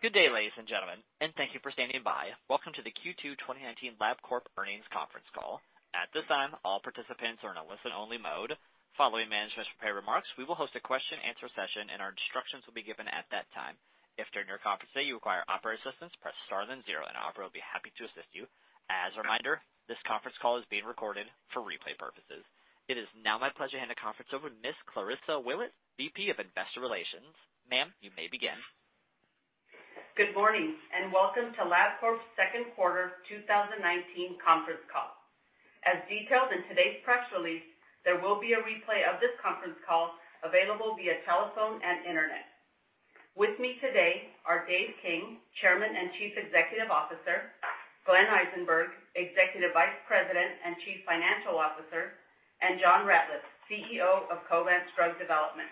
Good day, ladies and gentlemen, and thank you for standing by. Welcome to the Q2 2019 LabCorp earnings conference call. At this time, all participants are in a listen-only mode. Following management's prepared remarks, we will host a question and answer session and instructions will be given at that time. If during your conference today you require operator assistance, press star then zero, and the operator will be happy to assist you. As a reminder, this conference call is being recorded for replay purposes. It is now my pleasure to hand the conference over to Miss Clarissa Willett, VP of Investor Relations. Ma'am, you may begin. Good morning, and welcome to Labcorp's second quarter 2019 conference call. As detailed in today's press release, there will be a replay of this conference call available via telephone and internet. With me today are Dave King, Chairman and Chief Executive Officer, Glenn Eisenberg, Executive Vice President and Chief Financial Officer, and John Ratliff, CEO of Covance Drug Development.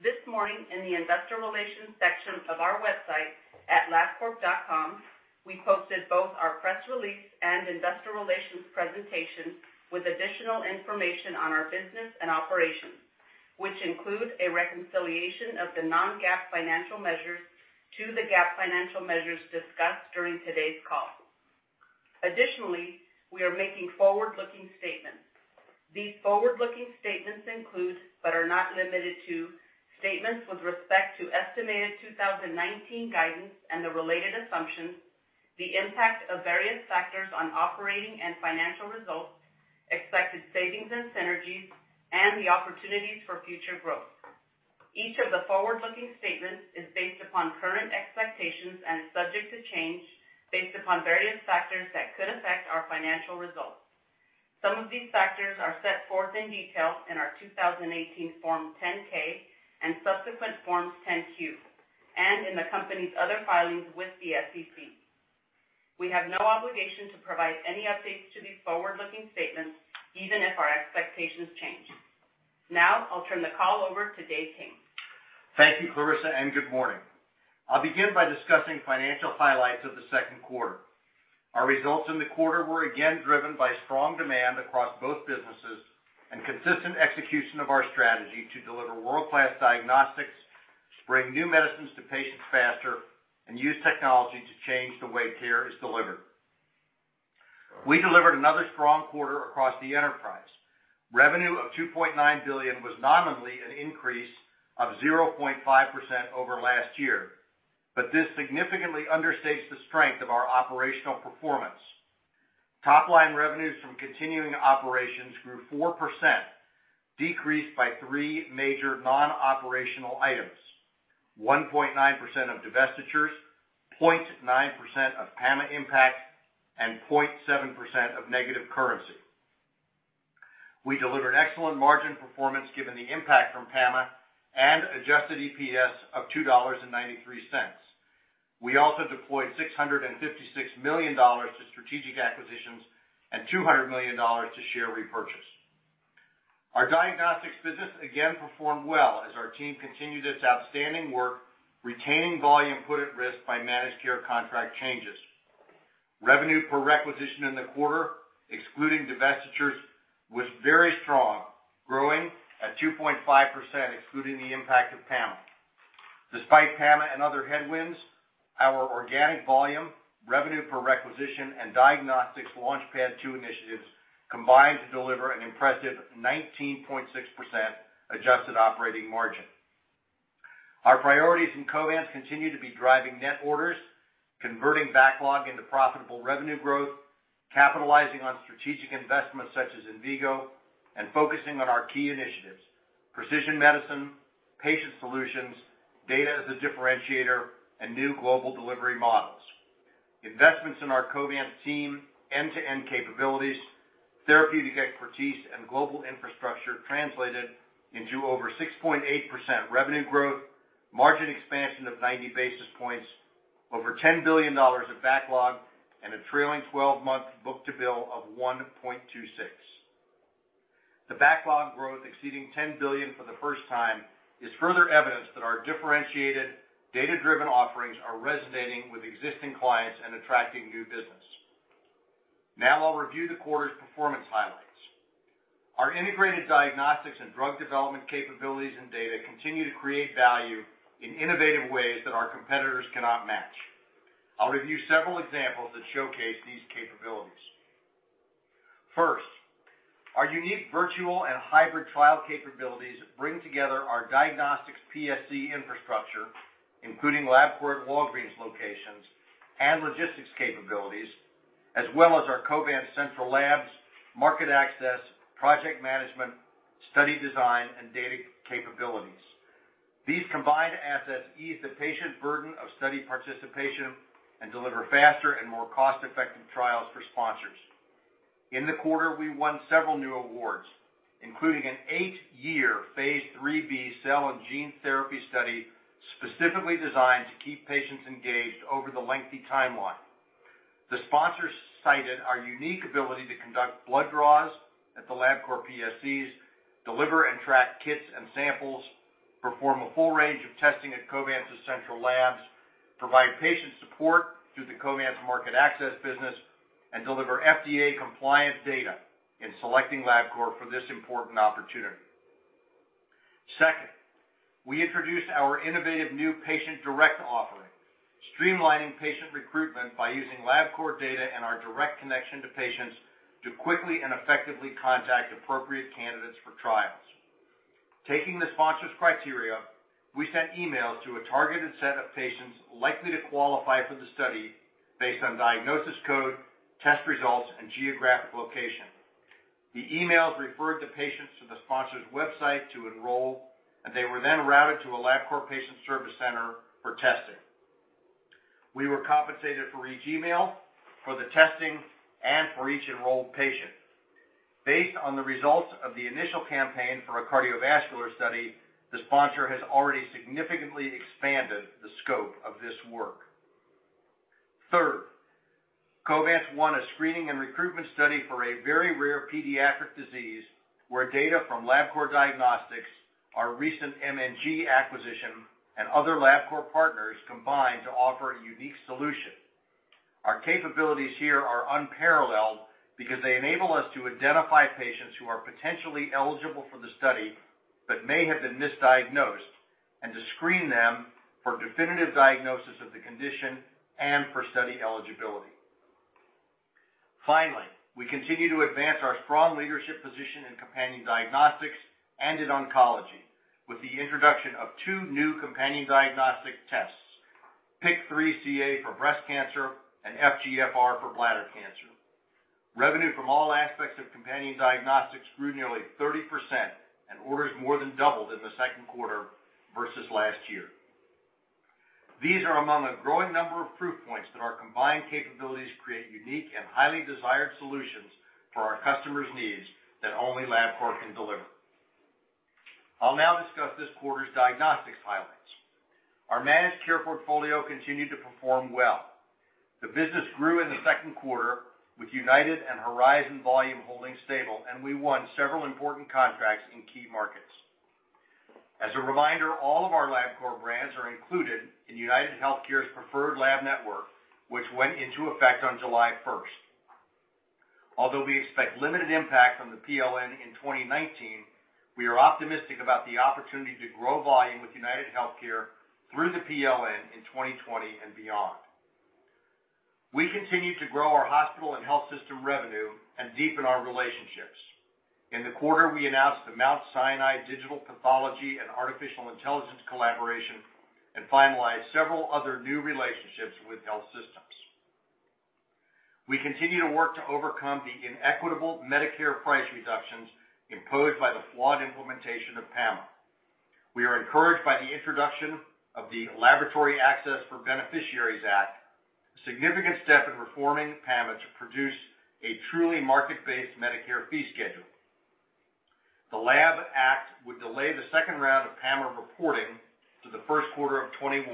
This morning, in the investor relations section of our website at labcorp.com, we posted both our press release and investor relations presentation with additional information on our business and operations, which include a reconciliation of the non-GAAP financial measures to the GAAP financial measures discussed during today's call. Additionally, we are making forward-looking statements. These forward-looking statements include, but are not limited to, statements with respect to estimated 2019 guidance and the related assumptions, the impact of various factors on operating and financial results, expected savings and synergies, and the opportunities for future growth. Each of the forward-looking statements is based upon current expectations and is subject to change based upon various factors that could affect our financial results. Some of these factors are set forth in detail in our 2018 Form 10-K and subsequent Forms 10-Q, and in the company's other filings with the SEC. We have no obligation to provide any updates to these forward-looking statements, even if our expectations change. Now, I'll turn the call over to Dave King. Thank you, Clarissa, good morning. I'll begin by discussing financial highlights of the second quarter. Our results in the quarter were again driven by strong demand across both businesses and consistent execution of our strategy to deliver world-class diagnostics, bring new medicines to patients faster, and use technology to change the way care is delivered. We delivered another strong quarter across the enterprise. Revenue of $2.9 billion was nominally an increase of 0.5% over last year. This significantly understates the strength of our operational performance. Topline revenues from continuing operations grew 4%, decreased by three major non-operational items: 1.9% of divestitures, 0.9% of PAMA impact, and 0.7% of negative currency. We delivered excellent margin performance given the impact from PAMA and adjusted EPS of $2.93. We also deployed $656 million to strategic acquisitions and $200 million to share repurchase. Our Diagnostics business again performed well as our team continued its outstanding work retaining volume put at risk by managed care contract changes. Revenue per requisition in the quarter, excluding divestitures, was very strong, growing at 2.5%, excluding the impact of PAMA. Despite PAMA and other headwinds, our organic volume, revenue per requisition, and Diagnostics LaunchPad 2 initiatives combined to deliver an impressive 19.6% adjusted operating margin. Our priorities in Covance continue to be driving net orders, converting backlog into profitable revenue growth, capitalizing on strategic investments such as Envigo, and focusing on our key initiatives: precision medicine, patient solutions, data as a differentiator, and new global delivery models. Investments in our Covance team, end-to-end capabilities, therapeutic expertise, and global infrastructure translated into over 6.8% revenue growth, margin expansion of 90 basis points, over $10 billion of backlog, and a trailing 12-month book-to-bill of 1.26. The backlog growth exceeding $10 billion for the first time is further evidence that our differentiated data-driven offerings are resonating with existing clients and attracting new business. Now, I'll review the quarter's performance highlights. Our integrated diagnostics and drug development capabilities and data continue to create value in innovative ways that our competitors cannot match. I'll review several examples that showcase these capabilities. First, our unique virtual and hybrid trial capabilities bring together our diagnostics PSC infrastructure, including LabCorp at Walgreens locations and logistics capabilities, as well as our Covance central labs, market access, project management, study design, and data capabilities. These combined assets ease the patient burden of study participation and deliver faster and more cost-effective trials for sponsors. In the quarter, we won several new awards, including an eight-year Phase III-B cell and gene therapy study specifically designed to keep patients engaged over the lengthy timeline. The sponsors cited our unique ability to conduct blood draws at the LabCorp PSCs, deliver and track kits and samples, perform a full range of testing at Covance's central labs, provide patient support through the Covance market access business, and deliver FDA-compliant data in selecting LabCorp for this important opportunity. Second, we introduced our innovative new Patient Direct offering, streamlining patient recruitment by using LabCorp data and our direct connection to patients to quickly and effectively contact appropriate candidates for trials. Taking the sponsor's criteria, we sent emails to a targeted set of patients likely to qualify for the study based on diagnosis code, test results, and geographic location. The emails referred the patients to the sponsor's website to enroll, and they were then routed to a LabCorp patient service center for testing. We were compensated for each email, for the testing, and for each enrolled patient. Based on the results of the initial campaign for a cardiovascular study, the sponsor has already significantly expanded the scope of this work. Third, Covance won a screening and recruitment study for a very rare pediatric disease where data from Labcorp Diagnostics, our recent MNG acquisition, and other Labcorp partners combined to offer a unique solution. Our capabilities here are unparalleled because they enable us to identify patients who are potentially eligible for the study but may have been misdiagnosed, and to screen them for definitive diagnosis of the condition and for study eligibility. Finally, we continue to advance our strong leadership position in companion diagnostics and in oncology with the introduction of two new companion diagnostic tests, PIK3CA for breast cancer and FGFR for bladder cancer. Revenue from all aspects of companion diagnostics grew nearly 30%, and orders more than doubled in the second quarter versus last year. These are among a growing number of proof points that our combined capabilities create unique and highly desired solutions for our customers' needs that only LabCorp can deliver. I'll now discuss this quarter's Diagnostics highlights. Our managed care portfolio continued to perform well. The business grew in the second quarter with United and Horizon volume holding stable, and we won several important contracts in key markets. As a reminder, all of our LabCorp brands are included in UnitedHealthcare's Preferred Lab Network, which went into effect on July 1st. Although we expect limited impact from the PLN in 2019, we are optimistic about the opportunity to grow volume with UnitedHealthcare through the PLN in 2020 and beyond. We continue to grow our hospital and health system revenue and deepen our relationships. In the quarter, we announced the Mount Sinai Digital Pathology and Artificial Intelligence Collaboration and finalized several other new relationships with health systems. We continue to work to overcome the inequitable Medicare price reductions imposed by the flawed implementation of PAMA. We are encouraged by the introduction of the Laboratory Access for Beneficiaries Act, a significant step in reforming PAMA to produce a truly market-based Medicare fee schedule. The LAB Act would delay the second round of PAMA reporting to the first quarter of 2021,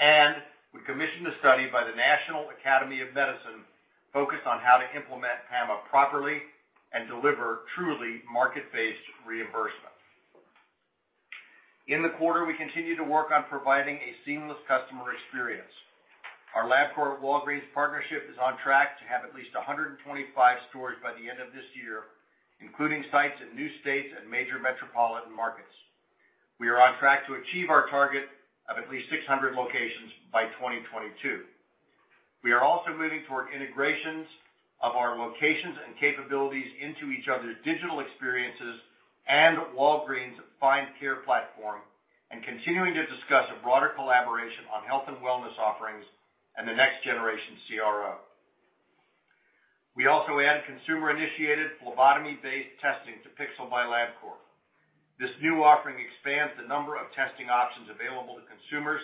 and we commissioned a study by the National Academy of Medicine focused on how to implement PAMA properly and deliver truly market-based reimbursement. In the quarter, we continued to work on providing a seamless customer experience. Our LabCorp-Walgreens partnership is on track to have at least 125 stores by the end of this year, including sites in new states and major metropolitan markets. We are on track to achieve our target of at least 600 locations by 2022. We are also moving toward integrations of our locations and capabilities into each other's digital experiences and Walgreens' Find Care platform, and continuing to discuss a broader collaboration on health and wellness offerings and the next generation CRO. We also add consumer-initiated phlebotomy-based testing to Pixel by Labcorp. This new offering expands the number of testing options available to consumers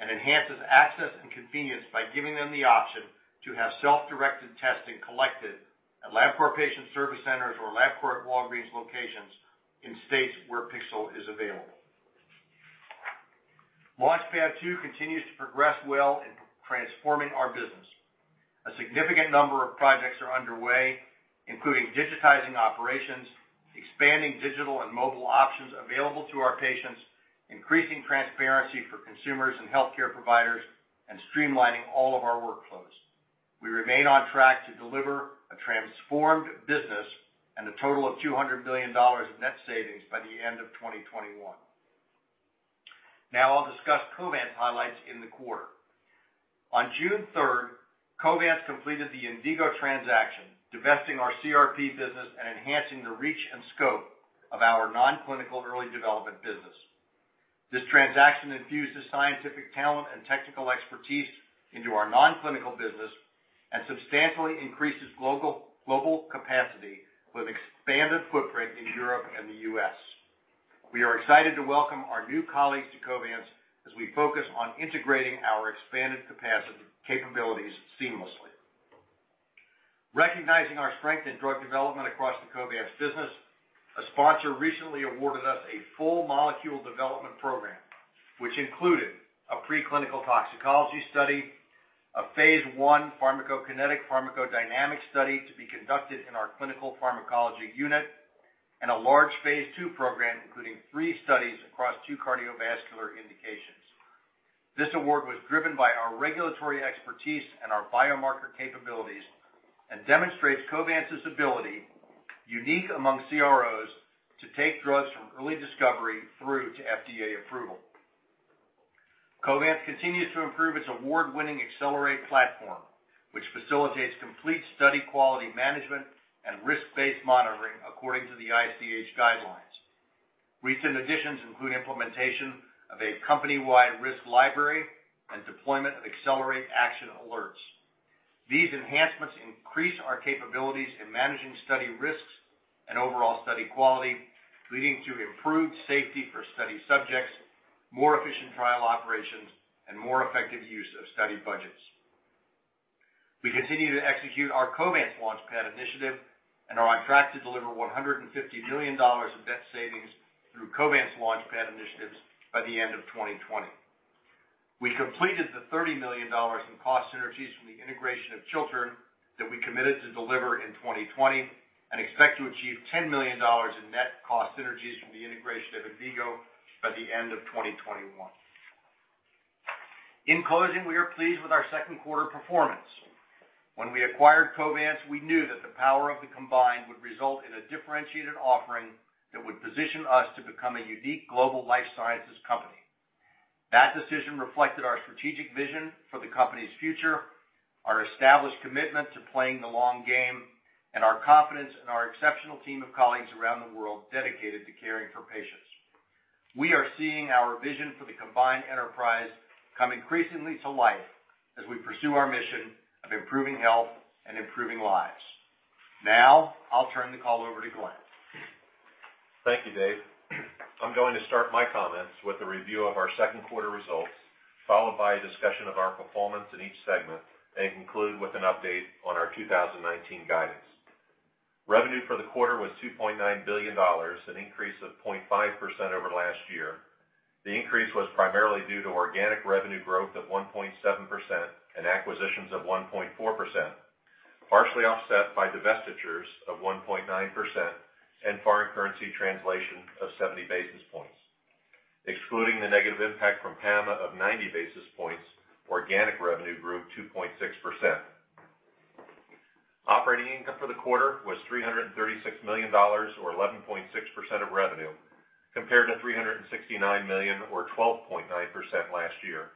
and enhances access and convenience by giving them the option to have self-directed testing collected at LabCorp patient service centers or LabCorp Walgreens locations in states where Pixel is available. LaunchPad 2 continues to progress well in transforming our business. A significant number of projects are underway, including digitizing operations, expanding digital and mobile options available to our patients, increasing transparency for consumers and healthcare providers, and streamlining all of our workflows. We remain on track to deliver a transformed business and a total of $200 million in net savings by the end of 2021. Now, I'll discuss Covance highlights in the quarter. On June 3rd, Covance completed the Envigo transaction, divesting our CRP business and enhancing the reach and scope of our non-clinical early development business. This transaction infuses scientific talent and technical expertise into our non-clinical business and substantially increases global capacity with expanded footprint in Europe and the U.S. We are excited to welcome our new colleagues to Covance as we focus on integrating our expanded capacity capabilities seamlessly. Recognizing our strength in drug development across the Covance business, a sponsor recently awarded us a full molecule development program, which included a preclinical toxicology study, a Phase I pharmacokinetic/pharmacodynamic study to be conducted in our clinical pharmacology unit, and a large Phase II program, including three studies across two cardiovascular indications. This award was driven by our regulatory expertise and our biomarker capabilities and demonstrates Covance's ability, unique among CROs, to take drugs from early discovery through to FDA approval. Covance continues to improve its award-winning Xcellerate platform, which facilitates complete study quality management and risk-based monitoring according to the ICH guidelines. Recent additions include implementation of a company-wide risk library and deployment of Xcellerate action alerts. These enhancements increase our capabilities in managing study risks and overall study quality, leading to improved safety for study subjects, more efficient trial operations, and more effective use of study budgets. We continue to execute our Covance LaunchPad initiative and are on track to deliver $150 million of net savings through Covance LaunchPad initiatives by the end of 2020. We completed the $30 million in cost synergies from the integration of Chiltern that we committed to deliver in 2020 and expect to achieve $10 million in net cost synergies from the integration of Envigo by the end of 2021. In closing we are pleased with our second quarter performance. When we acquired Covance, we knew that the power of the combined would result in a differentiated offering that would position us to become a unique global life sciences company. That decision reflected our strategic vision for the company's future, our established commitment to playing the long game, and our confidence in our exceptional team of colleagues around the world dedicated to caring for patients. We are seeing our vision for the combined enterprise come increasingly to life as we pursue our mission of improving health and improving lives. Now, I'll turn the call over to Glenn. Thank you, Dave. I'm going to start my comments with a review of our second quarter results, followed by a discussion of our performance in each segment, and conclude with an update on our 2019 guidance. Revenue for the quarter was $2.9 billion, an increase of 0.5% over last year. The increase was primarily due to organic revenue growth of 1.7% and acquisitions of 1.4%, partially offset by divestitures of 1.9% and foreign currency translation of 70 basis points. Excluding the negative impact from PAMA of 90 basis points, organic revenue grew 2.6%. Operating income for the quarter was $336 million, or 11.6% of revenue, compared to $369 million, or 12.9% last year.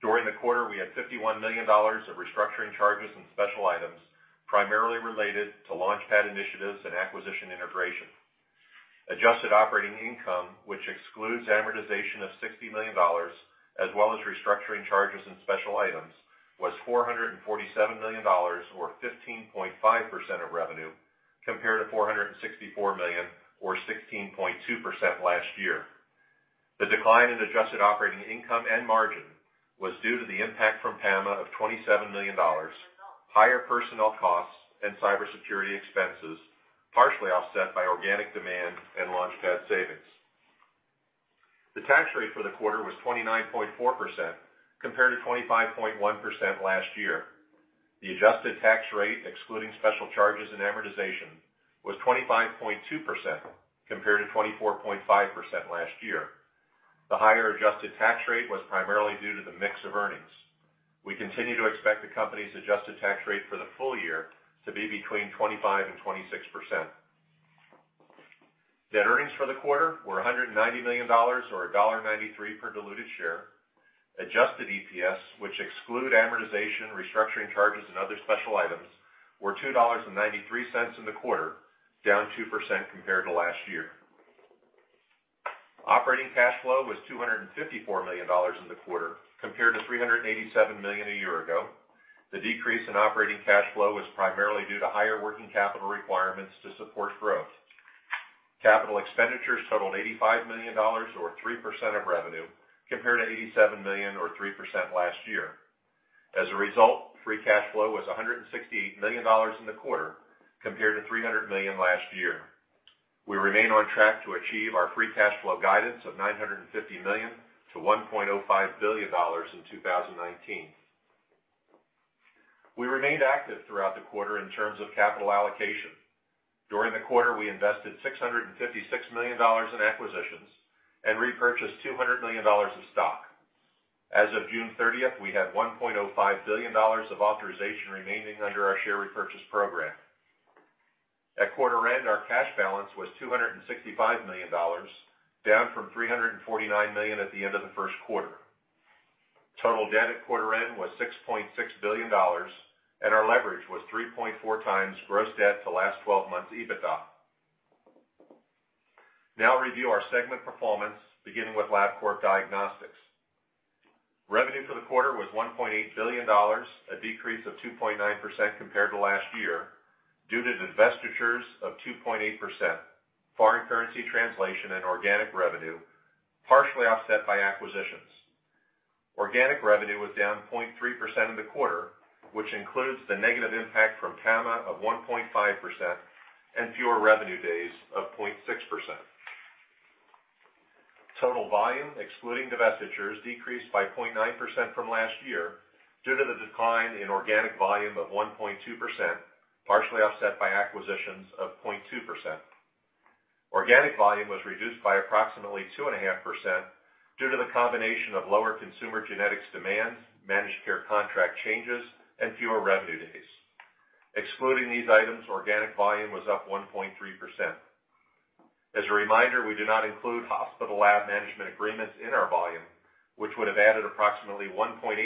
During the quarter, we had $51 million of restructuring charges and special items primarily related to LaunchPad initiatives and acquisition integration. Adjusted operating income, which excludes amortization of $60 million, as well as restructuring charges and special items, was $447 million, or 15.5% of revenue, compared to $464 million, or 16.2% last year. The decline in adjusted operating income and margin was due to the impact from PAMA of $27 million, higher personnel costs and cybersecurity expenses, partially offset by organic demand and LaunchPad savings. The tax rate for the quarter was 29.4% compared to 25.1% last year. The adjusted tax rate, excluding special charges and amortization, was 25.2% compared to 24.5% last year. The higher adjusted tax rate was primarily due to the mix of earnings. We continue to expect the company's adjusted tax rate for the full year to be between 25% and 26%. Net earnings for the quarter were $190 million, or $1.93 per diluted share. Adjusted EPS, which exclude amortization, restructuring charges, and other special items, were $2.93 in the quarter, down 2% compared to last year. Operating cash flow was $254 million in the quarter, compared to $387 million a year ago. The decrease in operating cash flow was primarily due to higher working capital requirements to support growth. Capital expenditures totaled $85 million, or 3% of revenue, compared to $87 million, or 3% last year. As a result, free cash flow was $168 million in the quarter, compared to $300 million last year. We remain on track to achieve our free cash flow guidance of $950 million to $1.05 billion in 2019. We remained active throughout the quarter in terms of capital allocation. During the quarter, we invested $656 million in acquisitions and repurchased $200 million of stock. As of June 30th, we had $1.05 billion of authorization remaining under our share repurchase program. At quarter end, our cash balance was $265 million, down from $349 million at the end of the first quarter. Total debt at quarter end was $6.6 billion, and our leverage was 3.4x gross debt to last 12 months EBITDA. Now review our segment performance, beginning with LabCorp Diagnostics. Revenue for the quarter was $1.8 billion, a decrease of 2.9% compared to last year due to divestitures of 2.8%, foreign currency translation and organic revenue, partially offset by acquisitions. Organic revenue was down 0.3% in the quarter, which includes the negative impact from PAMA of 1.5% and fewer revenue days of 0.6%. Total volume, excluding divestitures, decreased by 0.9% from last year due to the decline in organic volume of 1.2%, partially offset by acquisitions of 0.2%. Organic volume was reduced by approximately 2.5% due to the combination of lower consumer genetics demand, managed care contract changes, and fewer revenue days. Excluding these items, organic volume was up 1.3%. As a reminder, we do not include hospital lab management agreements in our volume, which would have added approximately 1.8%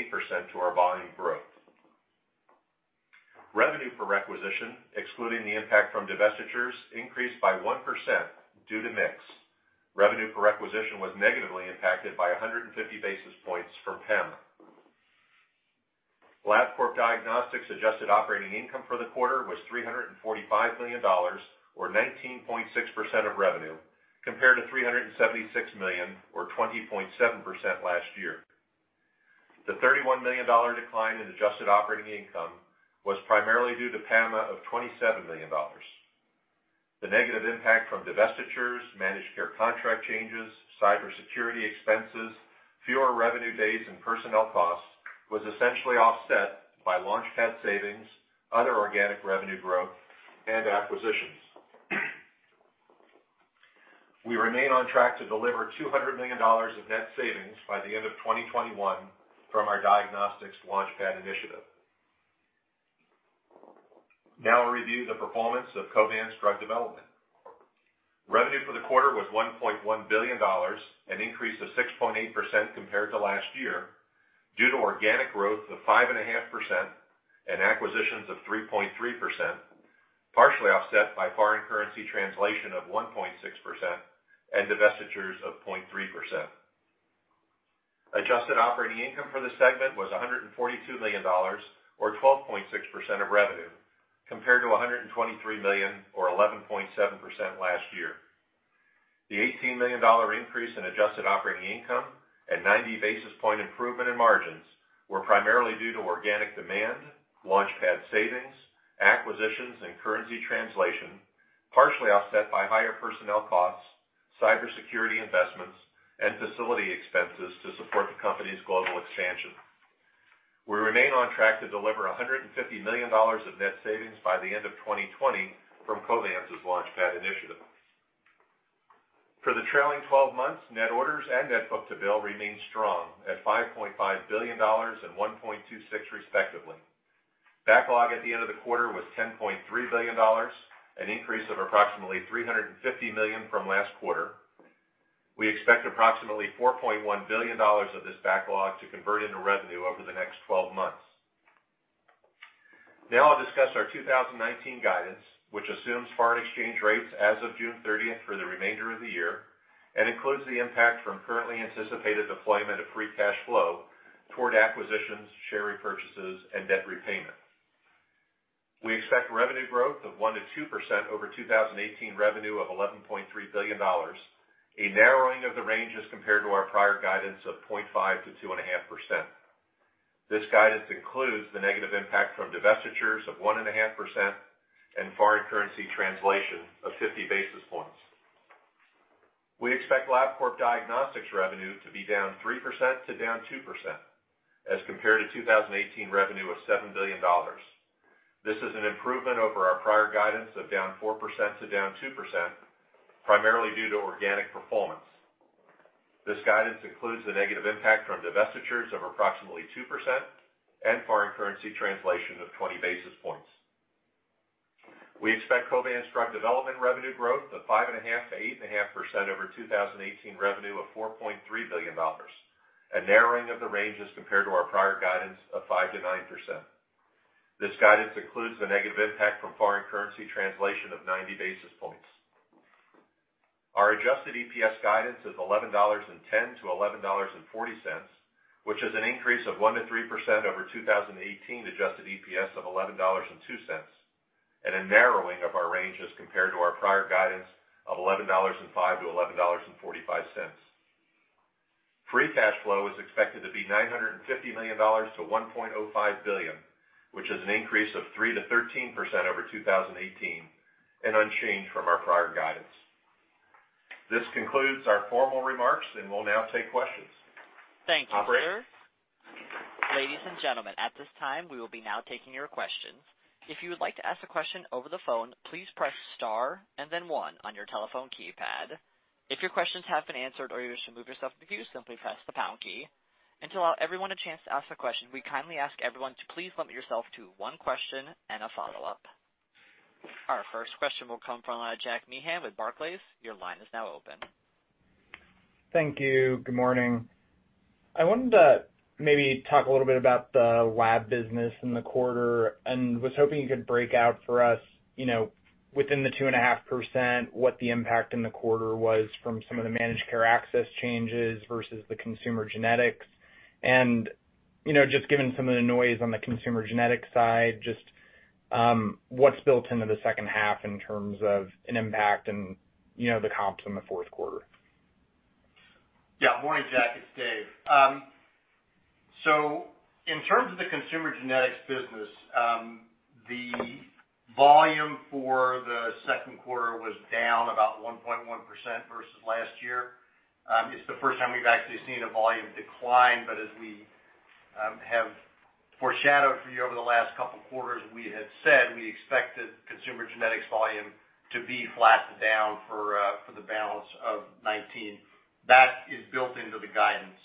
to our volume growth. Revenue per requisition, excluding the impact from divestitures, increased by 1% due to mix. Revenue per requisition was negatively impacted by 150 basis points from PAMA. LabCorp Diagnostics adjusted operating income for the quarter was $345 million, or 19.6% of revenue, compared to $376 million, or 20.7% last year. The $31 million decline in adjusted operating income was primarily due to PAMA of $27 million. The negative impact from divestitures, managed care contract changes, cybersecurity expenses, fewer revenue days, and personnel costs was essentially offset by LaunchPad savings, other organic revenue growth, and acquisitions. We remain on track to deliver $200 million in net savings by the end of 2021 from our Diagnostics LaunchPad initiative. I'll review the performance of Covance Drug Development. Revenue for the quarter was $1.1 billion, an increase of 6.8% compared to last year due to organic growth of 5.5% and acquisitions of 3.3%, partially offset by foreign currency translation of 1.6% and divestitures of 0.3%. Adjusted operating income for the segment was $142 million, or 12.6% of revenue, compared to $123 million, or 11.7% last year. The $18 million increase in adjusted operating income and 90 basis points improvement in margins were primarily due to organic demand, LaunchPad savings, acquisitions, and currency translation, partially offset by higher personnel costs, cybersecurity investments, and facility expenses to support the company's global expansion. We remain on track to deliver $150 million of net savings by the end of 2020 from Covance's LaunchPad initiative. For the trailing 12 months, net orders and net book-to-bill remained strong at $5.5 billion and $1.26 respectively. Backlog at the end of the quarter was $10.3 billion, an increase of approximately $350 million from last quarter. We expect approximately $4.1 billion of this backlog to convert into revenue over the next 12 months. Now I'll discuss our 2019 guidance, which assumes foreign exchange rates as of June 30th for the remainder of the year and includes the impact from currently anticipated deployment of free cash flow toward acquisitions, share repurchases, and debt repayment. We expect revenue growth of 1%-2% over 2018 revenue of $11.3 billion, a narrowing of the ranges compared to our prior guidance of 0.5%-2.5%. This guidance includes the negative impact from divestitures of 1.5% and foreign currency translation of 50 basis points. We expect LabCorp Diagnostics revenue to be down 3% to down 2% as compared to 2018 revenue of $7 billion. This is an improvement over our prior guidance of down 4% to down 2%, primarily due to organic performance. This guidance includes the negative impact from divestitures of approximately 2% and foreign currency translation of 20 basis points. We expect Covance Drug Development revenue growth of 5.5%-8.5% over 2018 revenue of $4.3 billion, a narrowing of the ranges compared to our prior guidance of 5%-9%. This guidance includes the negative impact from foreign currency translation of 90 basis points. Our adjusted EPS guidance is $11.10-$11.40, which is an increase of 1%-3% over 2018 adjusted EPS of $11.02, and a narrowing of our ranges compared to our prior guidance of $11.05-$11.45. Free Cash Flow is expected to be $950 million-$1.05 billion, which is an increase of 3%-13% over 2018 and unchanged from our prior guidance. This concludes our formal remarks, and we'll now take questions. Thank you, sir. Ladies and gentlemen, at this time, we will be now taking your questions. If you would like to ask a question over the phone, please press star and then one on your telephone keypad. If your questions have been answered or you wish to remove yourself from the queue, simply press the pound key. To allow everyone a chance to ask a question, we kindly ask everyone to please limit yourself to one question and a follow-up. Our first question will come from Jack Meehan with Barclays. Your line is now open. Thank you. Good morning. I wanted to maybe talk a little bit about the lab business in the quarter and was hoping you could break out for us within the 2.5% what the impact in the quarter was from some of the managed care access changes versus the consumer genetics, and just given some of the noise on the consumer genetics side, just what's built into the second half in terms of an impact and the comps in the fourth quarter? Yeah. Morning, Jack. It's Dave. In terms of the consumer genetics business, the volume for the second quarter was down about 1.1% versus last year. It's the first time we've actually seen a volume decline, but as we have foreshadowed for you over the last couple of quarters, we had said we expected consumer genetics volume to be flat to down for the balance of 2019. That is built into the guidance.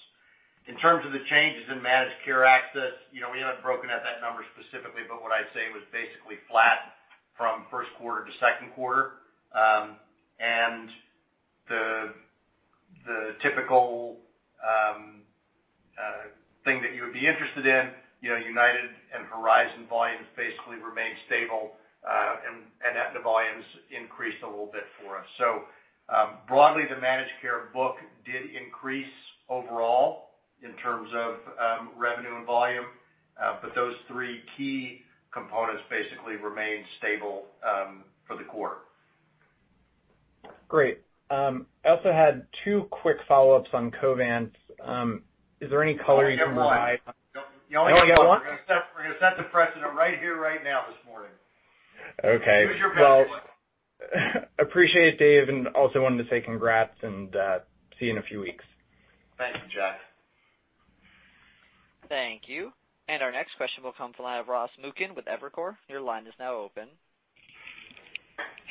In terms of the changes in managed care access, we haven't broken out that number specifically, what I'd say it was basically flat from first quarter to second quarter. The typical thing that you would be interested in, United and Horizon volumes basically remained stable, Aetna volumes increased a little bit for us. Broadly, the managed care book did increase overall in terms of revenue and volume. Those three key components basically remained stable for the quarter. Great. I also had two quick follow-ups on Covance. Is there any color you can provide? Oh, you get one. Oh, I get one? We're going to set the precedent right here, right now this morning. Okay. Use your best one. Well, appreciate it, Dave, and also wanted to say congrats and see you in a few weeks. Thank you, Jack. Thank you. Our next question will come from the line of Ross Muken with Evercore. Your line is now open.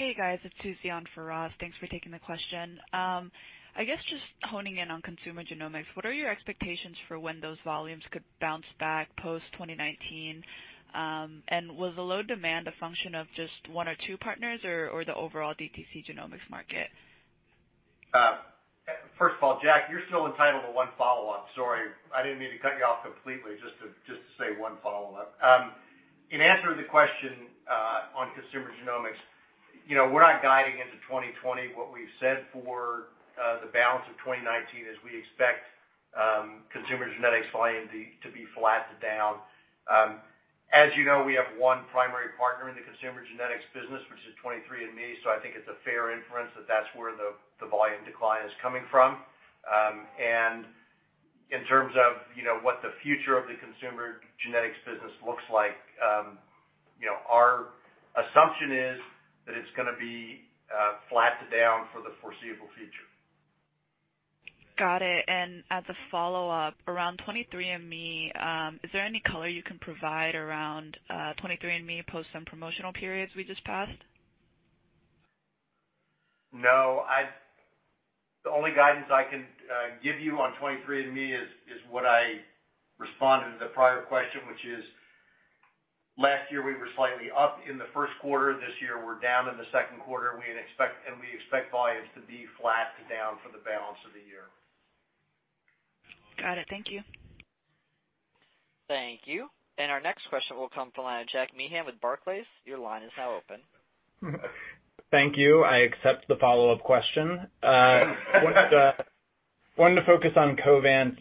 Hey, guys. It's Suzie on for Ross. Thanks for taking the question. I guess just honing in on consumer genomics, what are your expectations for when those volumes could bounce back post 2019? Was the low demand a function of just one or two partners or the overall DTC genomics market? First of all, Jack, you're still entitled to one follow-up. Sorry, I didn't mean to cut you off completely, just to say one follow-up. In answer to the question on consumer genomics, we're not guiding into 2020. What we've said for the balance of 2019 is we expect consumer genetics volume to be flat to down. As you know, we have one primary partner in the consumer genetics business, which is 23andMe, so I think it's a fair inference that that's where the volume decline is coming from. In terms of what the future of the consumer genetics business looks like, our assumption is that it's going to be flat to down for the foreseeable future. Got it. As a follow-up, around 23andMe, is there any color you can provide around 23andMe post some promotional periods we just passed? No. The only guidance I can give you on 23andMe is what I responded to the prior question, which is last year we were slightly up in the first quarter. This year, we're down in the second quarter, and we expect volumes to be flat to down for the balance of the year. Got it. Thank you. Thank you. Our next question will come from the line of Jack Meehan with Barclays. Your line is now open. Thank you. I accept the follow-up question. Wanted to focus on Covance.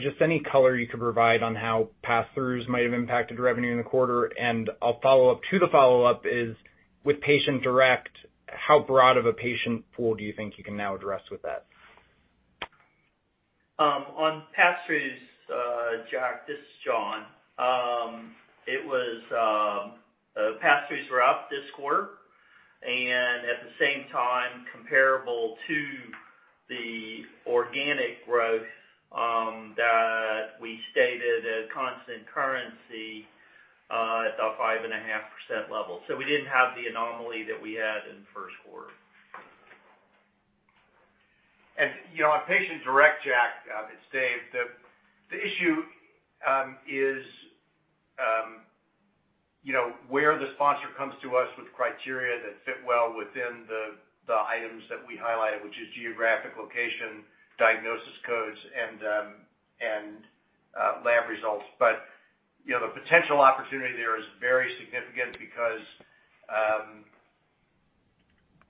Just any color you could provide on how pass-throughs might have impacted revenue in the quarter. A follow-up to the follow-up is, with Patient Direct, how broad of a patient pool do you think you can now address with that? On pass-throughs, Jack, this is John. It was, pass-throughs were up this quarter. At the same time, comparable to the organic growth that we stated at constant currency at a 5.5% level. We didn't have the anomaly that we had in the first quarter. On Patient Direct, Jack, it's Dave. The issue is where the sponsor comes to us with criteria that fit well within the items that we highlighted, which is geographic location, diagnosis codes, and lab results. The potential opportunity there is very significant because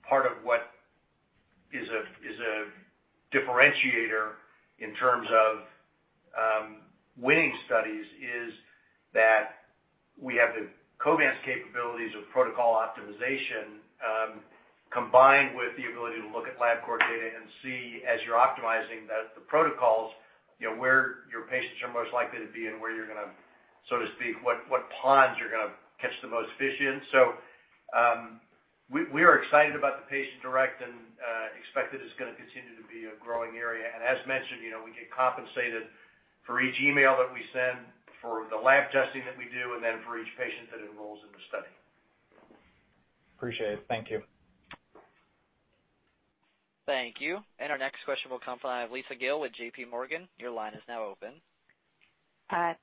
part of what is a differentiator in terms of winning studies is that we have the Covance capabilities of protocol optimization, combined with the ability to look at LabCorp data and see as you're optimizing the protocols, where your patients are most likely to be and where you're going to, so to speak, what ponds you're going to catch the most fish in. We are excited about the Patient Direct and expect that it's going to continue to be a growing area. As mentioned, we get compensated for each email that we send, for the lab testing that we do, and then for each patient that enrolls in the study. Appreciate it. Thank you. Thank you. Our next question will come from Lisa Gill with J.P. Morgan. Your line is now open.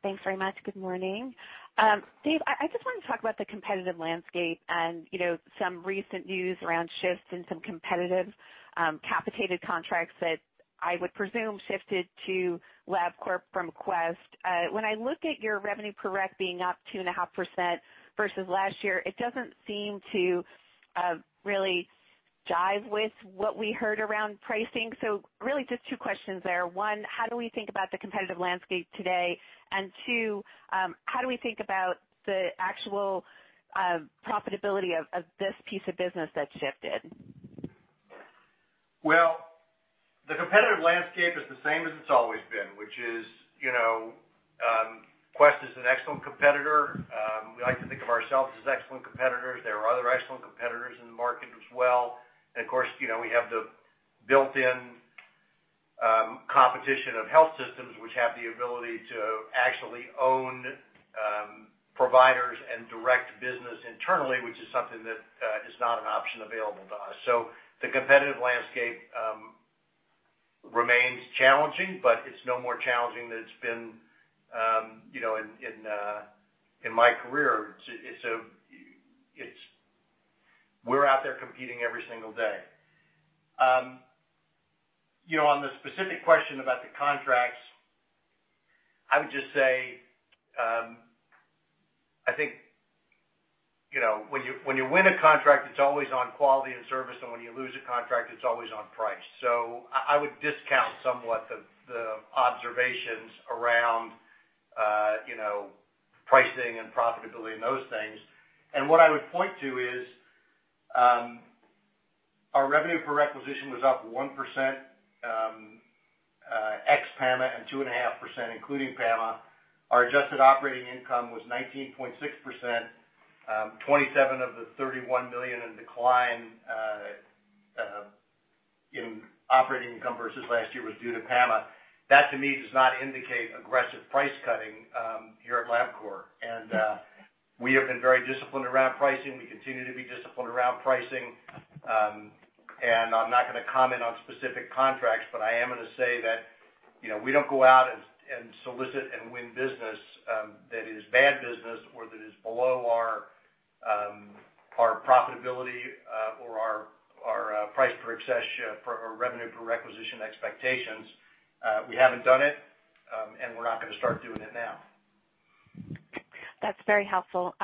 Thanks very much. Good morning. Dave, I just wanted to talk about the competitive landscape and some recent news around shifts in some competitive capitated contracts that I would presume shifted to LabCorp from Quest. When I look at your revenue per req being up 2.5% versus last year, it doesn't seem to really jive with what we heard around pricing. Really just two questions there. One, how do we think about the competitive landscape today? Two, how do we think about the actual profitability of this piece of business that shifted? The competitive landscape is the same as it's always been, which is Quest is an excellent competitor. We like to think of ourselves as excellent competitors. There are other excellent competitors in the market as well. Of course, we have Built-in competition of health systems, which have the ability to actually own providers and direct business internally, which is something that is not an option available to us. The competitive landscape remains challenging, but it's no more challenging than it's been in my career. We're out there competing every single day. On the specific question about the contracts, I would just say, I think, when you win a contract, it's always on quality and service, and when you lose a contract, it's always on price. I would discount somewhat the observations around pricing and profitability and those things. What I would point to is, our revenue per requisition was up 1%, ex PAMA, and 2.5% including PAMA. Our adjusted operating income was 19.6%. $27 of the $31 million in decline in operating income versus last year was due to PAMA. That, to me, does not indicate aggressive price cutting here at LabCorp. We have been very disciplined around pricing. We continue to be disciplined around pricing. I'm not going to comment on specific contracts, but I am going to say that, we don't go out and solicit and win business that is bad business or that is below our profitability, or our price per revenue per requisition expectations. We haven't done it, and we're not going to start doing it now. That's very helpful.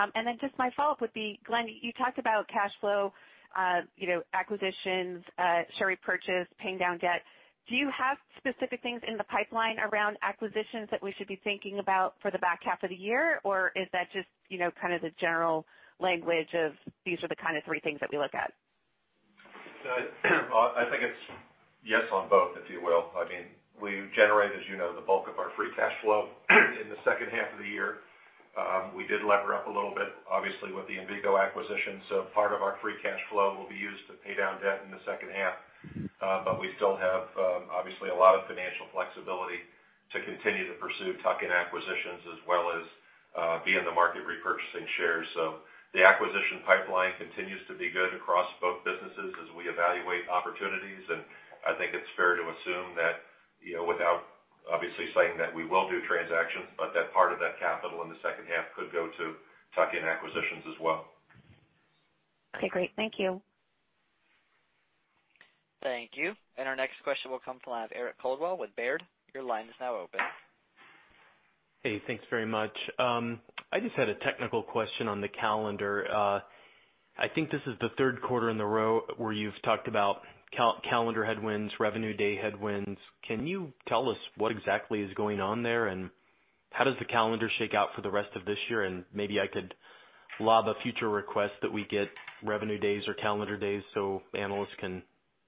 Just my follow-up would be, Glenn, you talked about cash flow, acquisitions, share repurchase, paying down debt. Do you have specific things in the pipeline around acquisitions that we should be thinking about for the back half of the year? Or is that just the general language of, "These are the three things that we look at"? I think it's yes on both, if you will. I mean we generate, as you know, the bulk of our free cash flow in the second half of the year. We did lever up a little bit, obviously, with the Envigo acquisition. Part of our free cash flow will be used to pay down debt in the second half. We still have, obviously, a lot of financial flexibility to continue to pursue tuck-in acquisitions as well as be in the market repurchasing shares. The acquisition pipeline continues to be good across both businesses as we evaluate opportunities. I think it's fair to assume that, without obviously saying that we will do transactions, but that part of that capital in the second half could go to tuck-in acquisitions as well. Okay, great. Thank you. Thank you. Our next question will come from Eric Coldwell with Baird. Your line is now open. Hey, thanks very much. I just had a technical question on the calendar. I think this is the third quarter in a row where you've talked about calendar headwinds, revenue day headwinds. Can you tell us what exactly is going on there, and how does the calendar shake out for the rest of this year? Maybe I could lob a future request that we get revenue days or calendar days so analysts can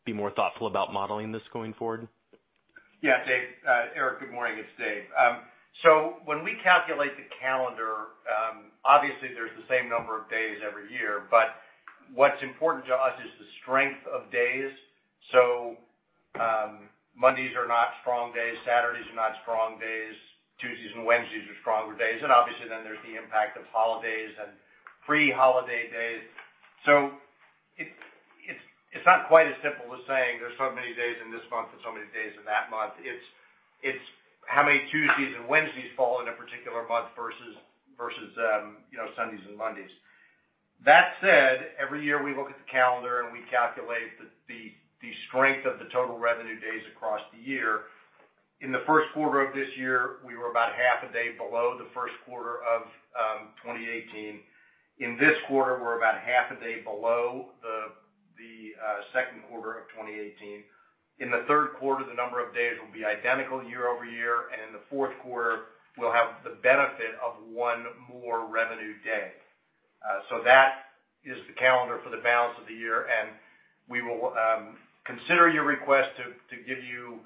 be more thoughtful about modeling this going forward. Yeah, Dave. Eric, good morning. It's Dave. When we calculate the calendar, obviously, there's the same number of days every year, but what's important to us is the strength of days. Mondays are not strong days. Saturdays are not strong days. Tuesdays and Wednesdays are stronger days. Obviously, then there's the impact of holidays and pre-holiday days. It's not quite as simple as saying there's so many days in this month and so many days in that month. It's how many Tuesdays and Wednesdays fall in a particular month versus Sundays and Mondays. That said, every year we look at the calendar, and we calculate the strength of the total revenue days across the year. In the first quarter of this year, we were about half a day below the first quarter of 2018. In this quarter, we're about half a day below the second quarter of 2018. In the third quarter, the number of days will be identical year over year. In the fourth quarter, we'll have the benefit of one more revenue day. That is the calendar for the balance of the year, and we will consider your request to give you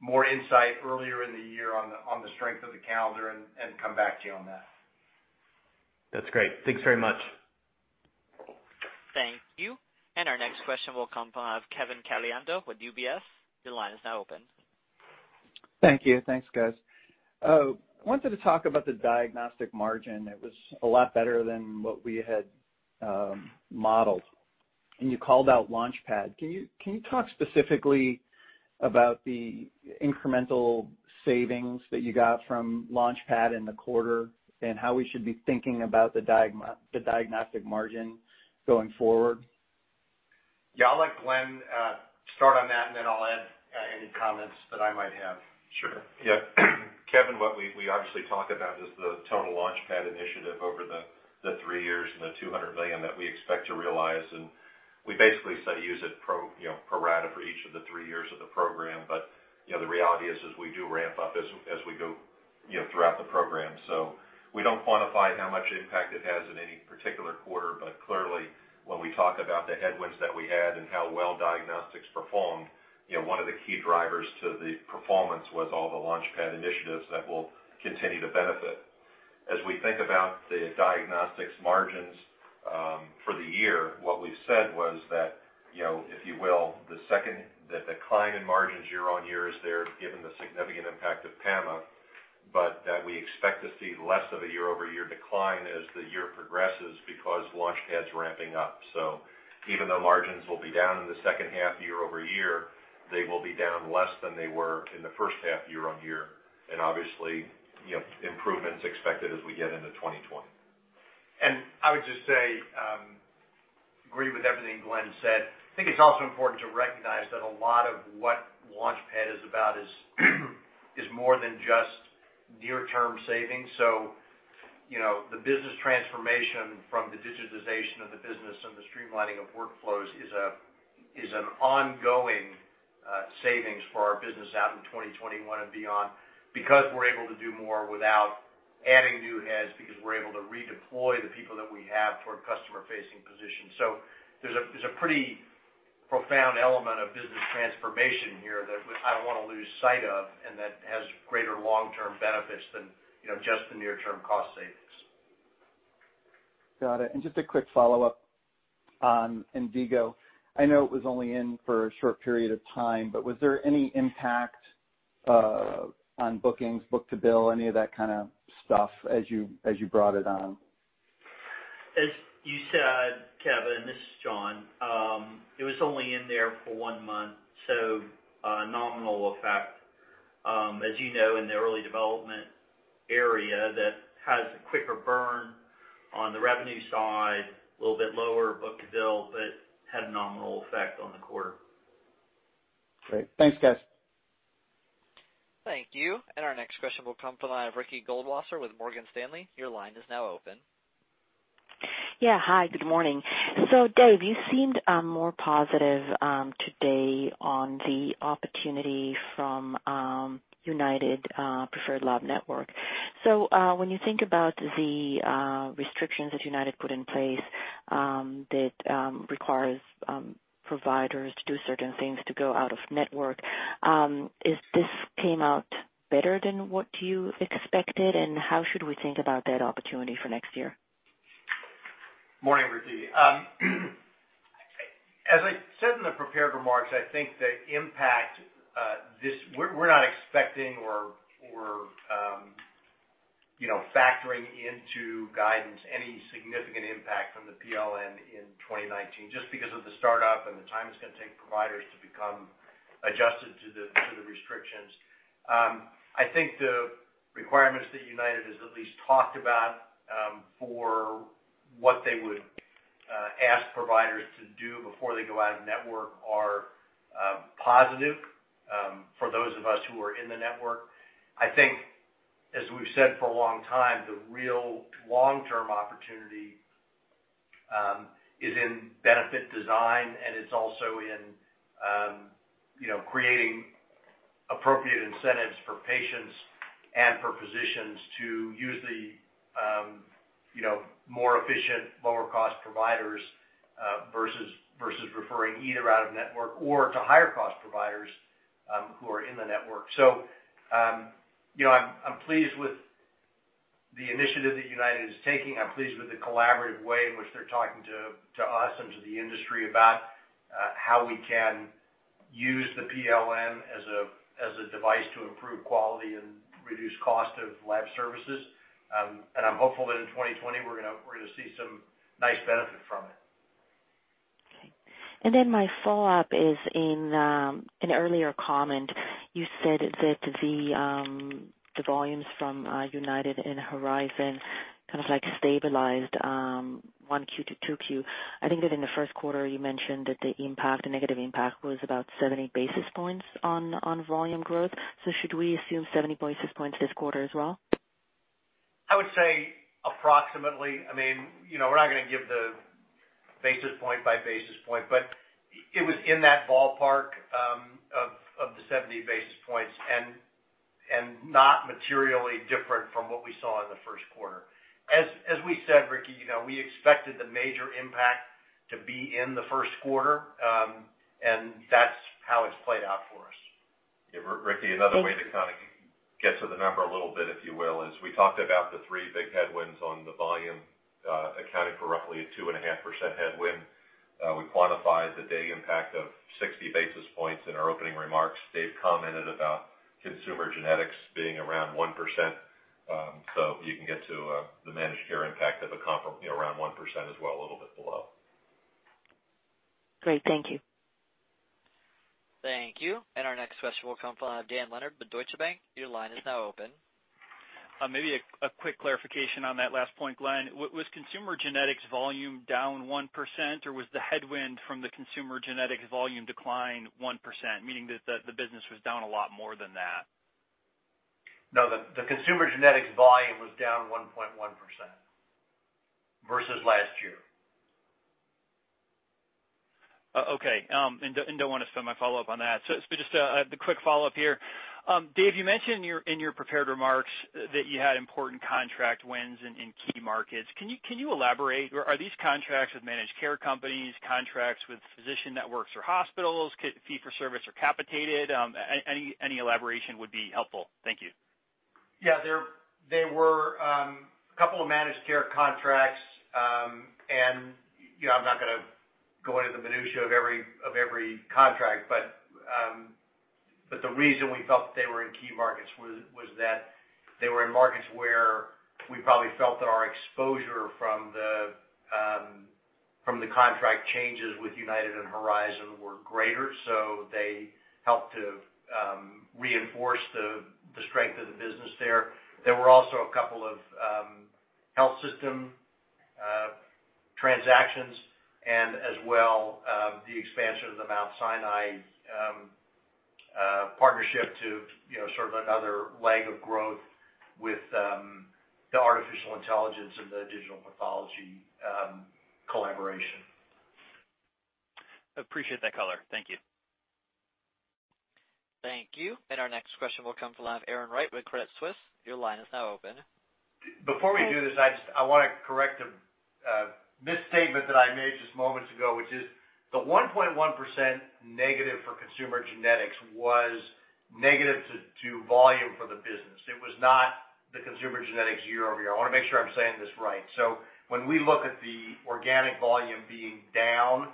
more insight earlier in the year on the strength of the calendar and come back to you on that. That's great. Thanks very much. Thank you. Our next question will come from Kevin Caliendo with UBS. Your line is now open. Thank you. Thanks, guys. I wanted to talk about the diagnostic margin. It was a lot better than what we had modeled. You called out LaunchPad. Can you talk specifically about the incremental savings that you got from LaunchPad in the quarter, and how we should be thinking about the diagnostic margin going forward? Yeah, I'll let Glenn start on that, then I'll add any comments that I might have. Sure. Yeah. Kevin, what we obviously talk about is the total LaunchPad initiative over the three years and the $200 million that we expect to realize, we basically use it pro rata for each of the three years of the program. But the reality is we do ramp up as we go throughout the program. We don't quantify how much impact it has in any particular quarter, but clearly when we talk about the headwinds that we had and how well Diagnostics performed, one of the key drivers to the performance was all the LaunchPad initiatives that we'll continue to benefit. As we think about the Diagnostics margins for the year, what we've said was that, if you will, the decline in margins year-over-year is there given the significant impact of PAMA, but that we expect to see less of a year-over-year decline as the year progresses because LaunchPad's ramping up. Even though margins will be down in the second half year-over-year, they will be down less than they were in the first half year-over-year, and obviously, improvements expected as we get into 2020. I would just say, agree with everything Glenn said. I think it's also important to recognize that a lot of what LaunchPad is about is more than just near-term savings. The business transformation from the digitization of the business and the streamlining of workflows is an ongoing savings for our business out in 2021 and beyond because we're able to do more without adding new heads, because we're able to redeploy the people that we have toward customer-facing positions. There's a pretty profound element of business transformation here that I don't want to lose sight of, and that has greater long-term benefits than just the near-term cost savings. Got it. Just a quick follow-up on Envigo. I know it was only in for a short period of time, but was there any impact on bookings, book-to-bill, any of that kind of stuff as you brought it on? As you said, Kevin, this is John. It was only in there for one month, so a nominal effect. As you know, in the early development area, that has a quicker burn on the revenue side, a little bit lower book-to-bill, but had a nominal effect on the quarter. Great. Thanks, guys. Thank you. Our next question will come from the line of Ricky Goldwasser with Morgan Stanley. Your line is now open. Yeah. Hi, good morning. Dave, you seemed more positive today on the opportunity from United Preferred Lab Network. When you think about the restrictions that United put in place that requires providers to do certain things to go out of network, has this came out better than what you expected, and how should we think about that opportunity for next year? Morning, Ricky. As I said in the prepared remarks, I think the impact, we're not expecting or factoring into guidance any significant impact from the PLN in 2019, just because of the startup and the time it's going to take providers to become adjusted to the restrictions. I think the requirements that United has at least talked about for what they would ask providers to do before they go out of network are positive for those of us who are in the network. I think, as we've said for a long time, the real long-term opportunity is in benefit design, and it's also in creating appropriate incentives for patients and for physicians to use the more efficient, lower-cost providers versus referring either out of network or to higher-cost providers who are in the network. I'm pleased with the initiative that United is taking. I'm pleased with the collaborative way in which they're talking to us and to the industry about how we can use the PLN as a device to improve quality and reduce cost of lab services. I'm hopeful that in 2020, we're going to see some nice benefit from it. Okay. My follow-up is, in an earlier comment, you said that the volumes from United and Horizon kind of stabilized 1Q to 2Q. I think that in the first quarter, you mentioned that the negative impact was about 70 basis points on volume growth. Should we assume 70 basis points this quarter as well? I would say approximately. I mean we're not going to give the basis point by basis point, but it was in that ballpark of the 70 basis points and not materially different from what we saw in the first quarter. As we said, Ricky, we expected the major impact to be in the first quarter, and that's how it's played out for us. Yeah, Ricky, another way to kind of get to the number a little bit, if you will, is we talked about the three big headwinds on the volume accounting for roughly a 2.5% headwind. We quantified the day impact of 60 basis points in our opening remarks. Dave commented about consumer genetics being around 1%. You can get to the managed care impact of around 1% as well, a little bit below. Great. Thank you. Thank you. Our next question will come from Dan Leonard with Deutsche Bank. Your line is now open. Maybe a quick clarification on that last point, Glenn. Was consumer genetics volume down 1%, or was the headwind from the consumer genetics volume decline 1%, meaning that the business was down a lot more than that? No, the consumer genetics volume was down 1.1% versus last year. Okay. Don't want to spend my follow-up on that. Just the quick follow-up here. Dave, you mentioned in your prepared remarks that you had important contract wins in key markets. Can you elaborate? Are these contracts with managed care companies, contracts with physician networks or hospitals, fee for service or capitated? Any elaboration would be helpful. Thank you. There were a couple of managed care contracts, and I'm not going to go into the minutiae of every contract, but the reason we felt that they were in key markets was that they were in markets where we probably felt that our exposure from the contract changes with UnitedHealthcare and Horizon were greater, so they helped to reinforce the strength of the business there. There were also a couple of health system transactions and as well, the expansion of the Mount Sinai partnership to sort of another leg of growth with the artificial intelligence and the digital pathology collaboration. Appreciate that color. Thank you. Thank you. Our next question will come from the line of Erin Wright with Credit Suisse. Your line is now open. Before we do this, I want to correct a misstatement that I made just moments ago, which is the 1.1% negative for consumer genetics was negative to volume for the business. It was not the consumer genetics year-over-year. I want to make sure I'm saying this right. When we look at the organic volume being down,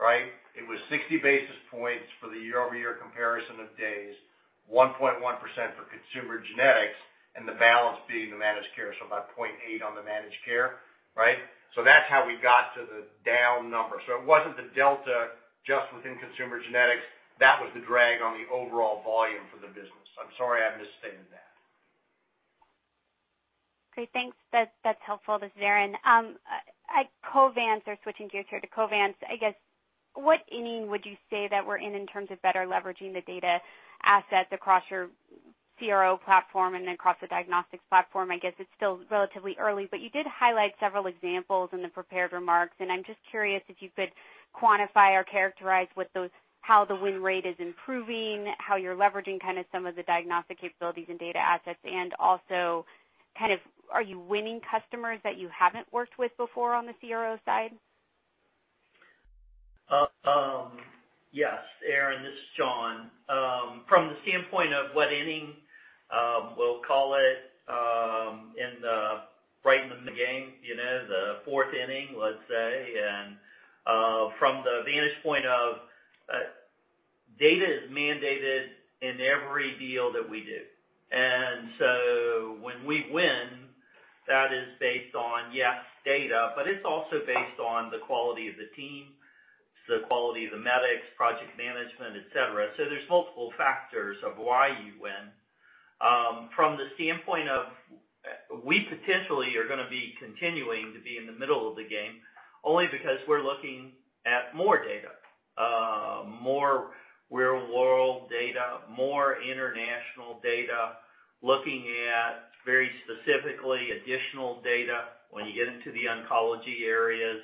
right, it was 60 basis points for the year-over-year comparison of days, 1.1% for consumer genetics, and the balance being the managed care, so about 0.8 on the managed care. Right? That's how we got to the down number. It wasn't the delta just within consumer genetics. That was the drag on the overall volume for the business. I'm sorry I misstated that. Great. Thanks. That's helpful. This is Erin. Switching gears here to Covance, I guess, what inning would you say that we're in terms of better leveraging the data assets across your CRO platform and then across the diagnostics platform? I guess it's still relatively early, but you did highlight several examples in the prepared remarks, and I'm just curious if you could quantify or characterize how the win rate is improving, how you're leveraging some of the diagnostic capabilities and data assets, and also are you winning customers that you haven't worked with before on the CRO side? Yes, Erin, this is John. From the standpoint of what inning, we'll call it, in the game, the fourth inning, let's say. From the vantage point of data is mandated in every deal that we do. When we win, that is based on, yes, data, but it's also based on the quality of the team, the quality of the medics, project management, et cetera. There's multiple factors of why you win. From the standpoint of, we potentially are going to be continuing to be in the middle of the game only because we're looking at more data, more real-world data, more international data, looking at very specifically additional data. When you get into the oncology areas,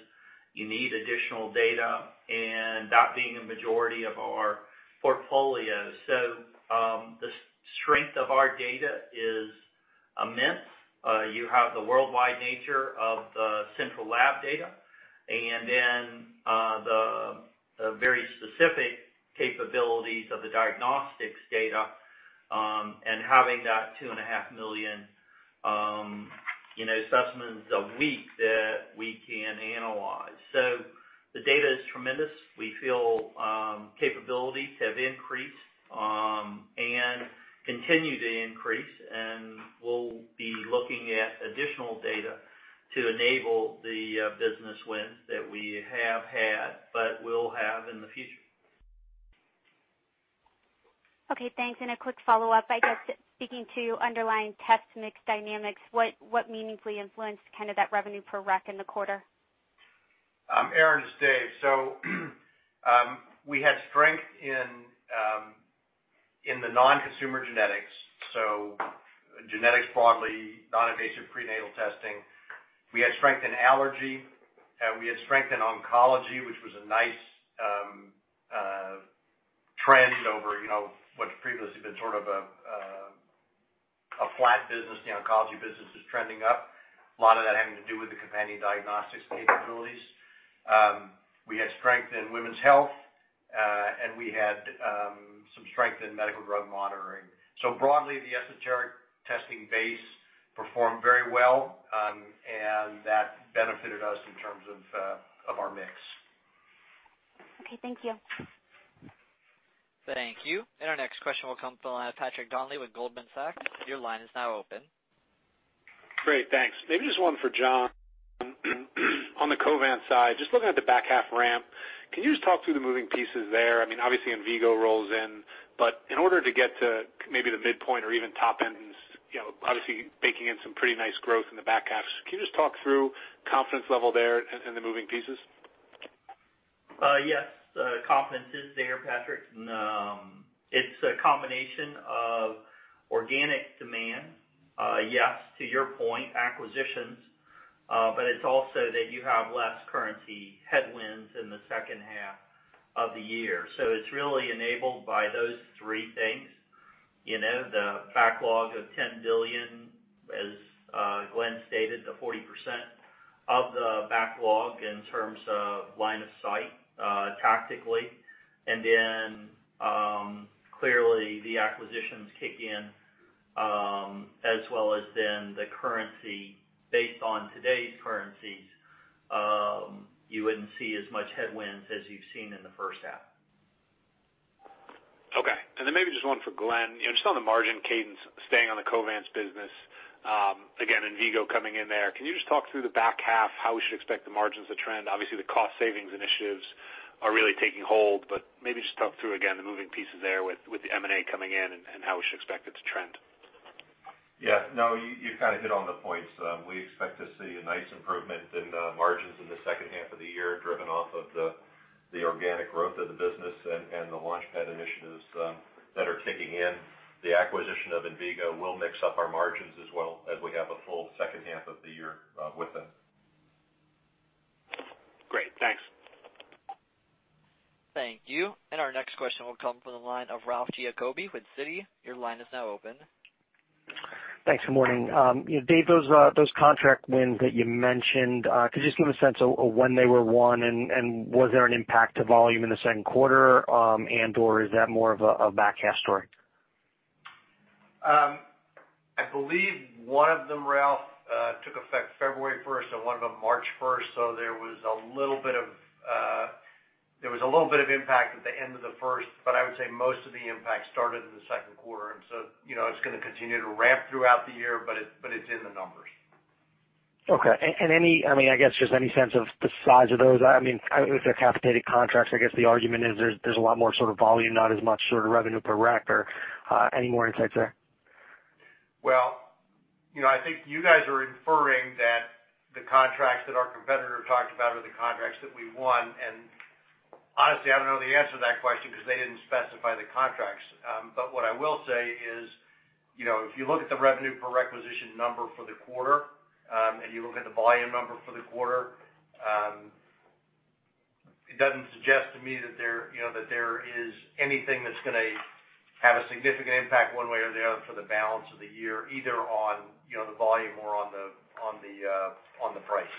you need additional data, and that being a majority of our portfolio. The strength of our data is immense. You have the worldwide nature of the central lab data, and then the very specific capabilities of the Diagnostics data, and having that 2.5 million Specimens a week that we can analyze. The data is tremendous. We feel capabilities have increased and continue to increase, and we'll be looking at additional data to enable the business wins that we have had, but will have in the future. Okay, thanks. A quick follow-up. I guess, speaking to underlying test mix dynamics, what meaningfully influenced that revenue per rec in the quarter? Erin, this is Dave. We had strength in the non-consumer genetics, so genetics broadly, non-invasive prenatal testing. We had strength in allergy, and we had strength in oncology, which was a nice trend over what's previously been sort of a flat business. The oncology business is trending up. A lot of that having to do with the companion diagnostics capabilities. We had strength in women's health, and we had some strength in medical drug monitoring. Broadly, the esoteric testing base performed very well, and that benefited us in terms of our mix. Okay, thank you. Thank you. Our next question will come from the line of Patrick Donnelly with Goldman Sachs. Your line is now open. Great, thanks. Maybe just one for John. On the Covance side, just looking at the back half ramp, can you just talk through the moving pieces there? Obviously, Envigo rolls in, but in order to get to maybe the midpoint or even top end, obviously baking in some pretty nice growth in the back half, can you just talk through confidence level there and the moving pieces? Yes. Confidence is there, Patrick. It's a combination of organic demand, yes, to your point, acquisitions, but it's also that you have less currency headwinds in the second half of the year. It's really enabled by those three things. The backlog of $10 billion. The 40% of the backlog in terms of line of sight tactically, and then, clearly the acquisitions kick in as well as then the currency based on today's currencies. You wouldn't see as much headwinds as you've seen in the first half. Okay. Maybe just one for Glenn. Just on the margin cadence, staying on the Covance business. Again, Envigo coming in there. Can you just talk through the back half how we should expect the margins to trend? Obviously, the cost savings initiatives are really taking hold, maybe just talk through again the moving pieces there with the M&A coming in and how we should expect it to trend. You hit on the points. We expect to see a nice improvement in the margins in the second half of the year, driven off of the organic growth of the business and the LaunchPad initiatives that are kicking in. The acquisition of Envigo will mix up our margins as well as we have a full second half of the year with them. Great, thanks. Thank you. Our next question will come from the line of Ralph Giacobbe with Citi. Your line is now open. Thanks, good morning. Dave, those contract wins that you mentioned, could you just give a sense of when they were won and was there an impact to volume in the second quarter, and or is that more of a back half story? I believe one of them, Ralph, took effect February 1st and one of them March 1st. There was a little bit of impact at the end of the first, but I would say most of the impact started in the second quarter. It's going to continue to ramp throughout the year, but it's in the numbers. Okay. I guess just any sense of the size of those. If they're capitated contracts, I guess the argument is there's a lot more volume, not as much revenue per rec, or any more insights there? Well, I think you guys are inferring that the contracts that our competitor talked about are the contracts that we won, and honestly, I don't know the answer to that question because they didn't specify the contracts. What I will say is, if you look at the revenue per requisition number for the quarter, and you look at the volume number for the quarter, it doesn't suggest to me that there is anything that's going to have a significant impact one way or the other for the balance of the year, either on the volume or on the price.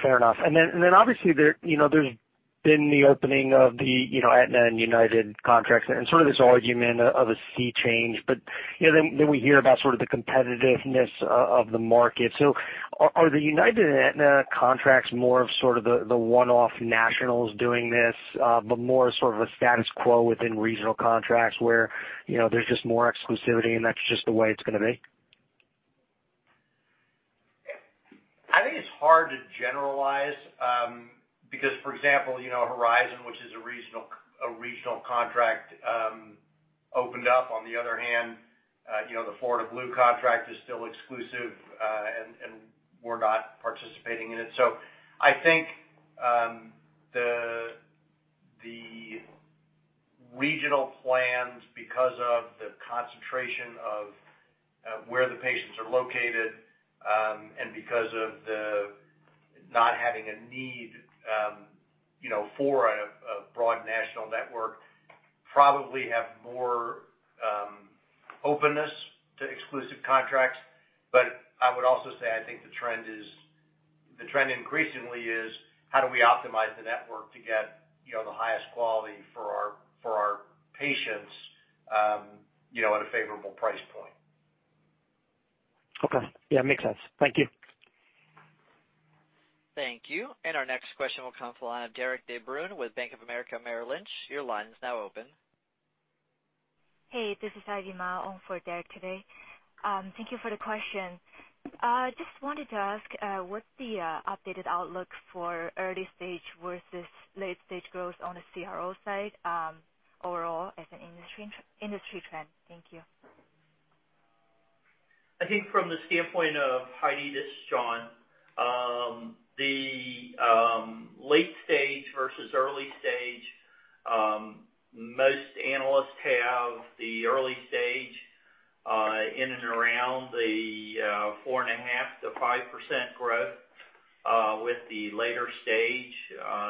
Fair enough. Obviously, there's been the opening of the Aetna and United contracts and sort of this argument of a sea change, we hear about sort of the competitiveness of the market. Are the United and Aetna contracts more of sort of the one-off nationals doing this, but more sort of a status quo within regional contracts where there's just more exclusivity and that's just the way it's going to be? I think it's hard to generalize. Because for example, Horizon, which is a regional contract, opened up, on the other hand, the Florida Blue contract is still exclusive, and we're not participating in it. I think, the regional plans, because of the concentration of where the patients are located, and because of the not having a need for a broad national network, probably have more openness to exclusive contracts. I would also say I think the trend increasingly is how do we optimize the network to get the highest quality for our patients at a favorable price point. Okay. Yeah, makes sense. Thank you. Thank you. Our next question will come from the line of Derik de Bruin with Bank of America Merrill Lynch. Your line is now open. Hey, this is Heidi Ma on for Derik today. Thank you for the question. Just wanted to ask, what's the updated outlook for early stage versus late stage growth on the CRO side, overall as an industry trend? Thank you. I think from the standpoint of Heidi, this is John. The late stage versus early stage, most analysts have the early stage in and around the 4.5%-5% growth. With the later stage,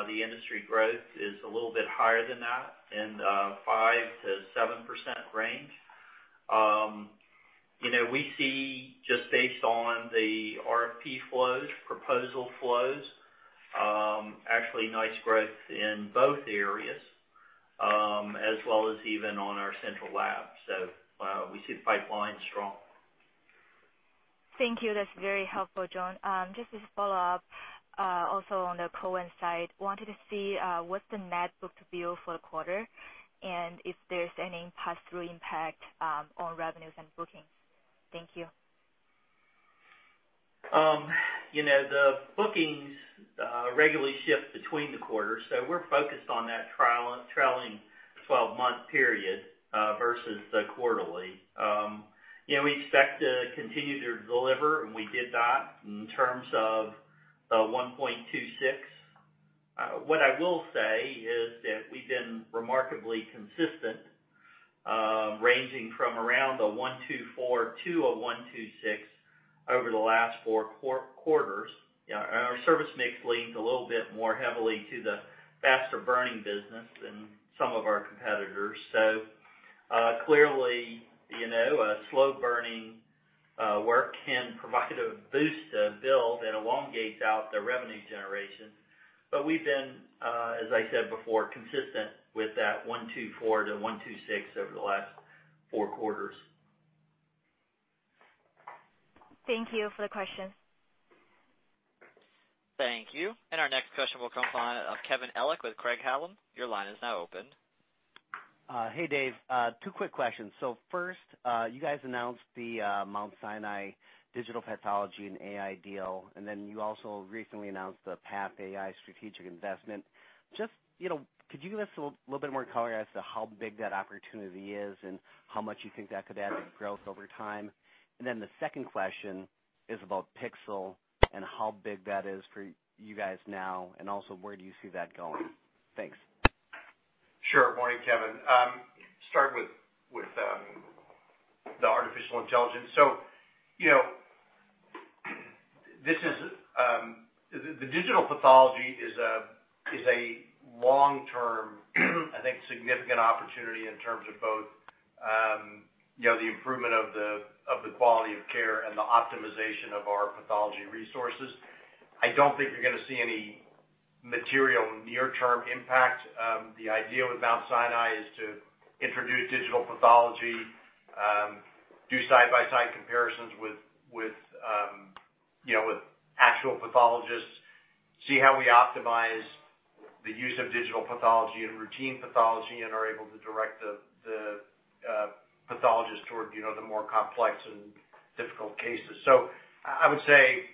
the industry growth is a little bit higher than that in the 5%-7% range. We see just based on the RFP flows, proposal flows, actually nice growth in both areas, as well as even on our central lab. We see the pipeline strong. Thank you. That's very helpful, John. Just as a follow-up, also on the Covance side, wanted to see what's the net book-to-bill for the quarter and if there's any pass-through impact on revenues and bookings. Thank you. The bookings regularly shift between the quarters. We're focused on that trailing 12-month period versus the quarterly. We expect to continue to deliver, and we did that in terms of the 1.26. What I will say is that we've been remarkably consistent, ranging from around a 1.24 to a 1.26 over the last four quarters. Our service mix leans a little bit more heavily to the faster burning business than some of our competitors. Clearly, a slow-burning work can provide a boost to build and elongates out the revenue generation. We've been, as I said before, consistent with that 1.24-1.26 over the last four quarters. Thank you for the question. Thank you. Our next question will come from the line of Kevin Ellich with Craig-Hallum. Your line is now open. Hey, Dave. Two quick questions. First, you guys announced the Mount Sinai digital pathology and AI deal, and then you also recently announced the PathAI strategic investment. Just could you give us a little bit more color as to how big that opportunity is and how much you think that could add to growth over time? The second question is about Pixel and how big that is for you guys now, and also where do you see that going? Thanks. Sure. Morning, Kevin. Start with the artificial intelligence. The digital pathology is a long-term, I think, significant opportunity in terms of both the improvement of the quality of care and the optimization of our pathology resources. I don't think you're going to see any material near-term impact. The idea with Mount Sinai is to introduce digital pathology, do side-by-side comparisons with actual pathologists, see how we optimize the use of digital pathology and routine pathology and are able to direct the pathologist toward the more complex and difficult cases. I would say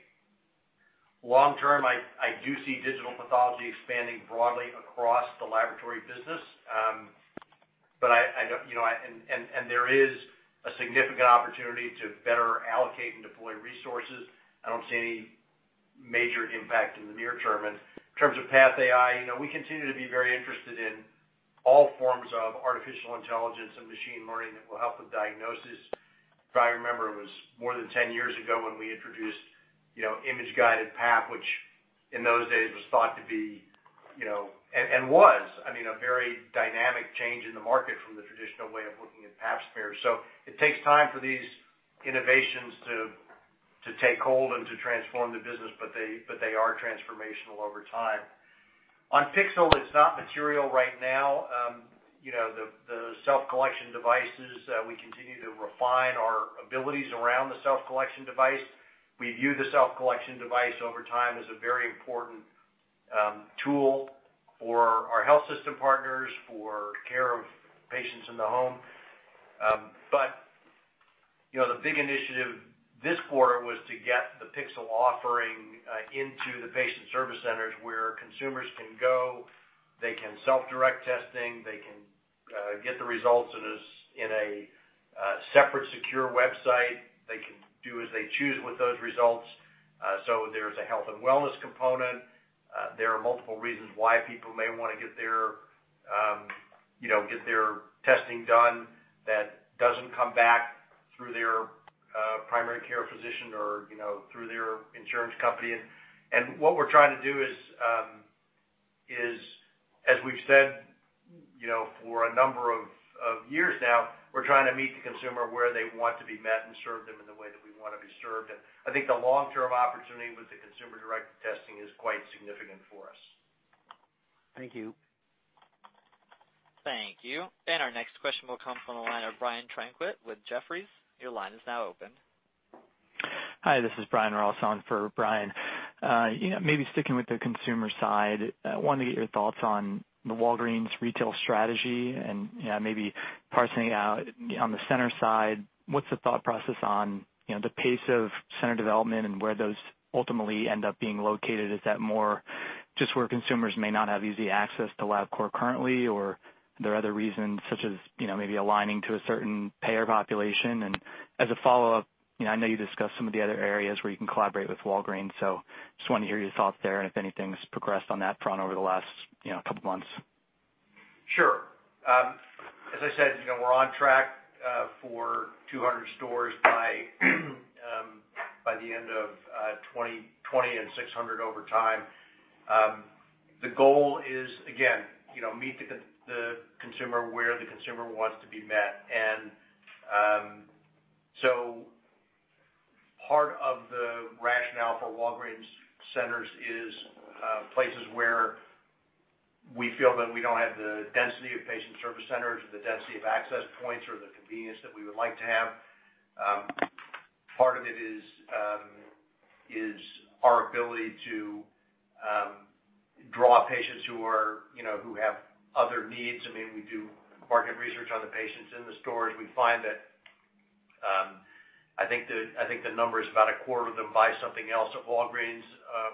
long-term, I do see digital pathology expanding broadly across the laboratory business. There is a significant opportunity to better allocate and deploy resources. I don't see any major impact in the near term. In terms of PathAI, we continue to be very interested in all forms of artificial intelligence and machine learning that will help with diagnosis. If I remember, it was more than 10 years ago when we introduced image-guided Pap, which in those days was thought to be, and was, I mean, a very dynamic change in the market from the traditional way of looking at Pap smears. It takes time for these innovations to take hold and to transform the business, but they are transformational over time. On Pixel, it's not material right now. The self-collection devices, so we continue to refine our abilities around the self-collection device. We view the self-collection device over time as a very important tool for our health system partners, for care of patients in the home. The big initiative this quarter was to get the Pixel offering into the patient service centers where consumers can go, they can self-direct testing, they can get the results in a separate secure website. They can do as they choose with those results. There's a health and wellness component. There are multiple reasons why people may want to get their testing done that doesn't come back through their primary care physician or through their insurance company. What we're trying to do is, as we've said, for a number of years now, we're trying to meet the consumer where they want to be met and serve them in the way that we want to be served. I think the long-term opportunity with the consumer-direct testing is quite significant for us. Thank you. Thank you. Our next question will come from the line of Brian Tanquilut with Jefferies. Your line is now open. Hi, this is Bryan Ross on for Brian. Sticking with the consumer side, I wanted to get your thoughts on the Walgreens retail strategy and maybe parsing out on the center side, what's the thought process on the pace of center development and where those ultimately end up being located? Is that more just where consumers may not have easy access to LabCorp currently, or are there other reasons such as maybe aligning to a certain payer population? As a follow-up, I know you discussed some of the other areas where you can collaborate with Walgreens, just wanted to hear your thoughts there and if anything's progressed on that front over the last couple of months. Sure. As I said, we're on track for 200 stores by the end of 2020 and 600 over time. The goal is, again, meet the consumer where the consumer wants to be met. Part of the rationale for Walgreens centers is places where we feel that we don't have the density of patient service centers or the density of access points or the convenience that we would like to have. Part of it is our ability to draw patients who have other needs. I mean, we do market research on the patients in the stores. We find that, I think, the number is about a quarter of them buy something else at Walgreens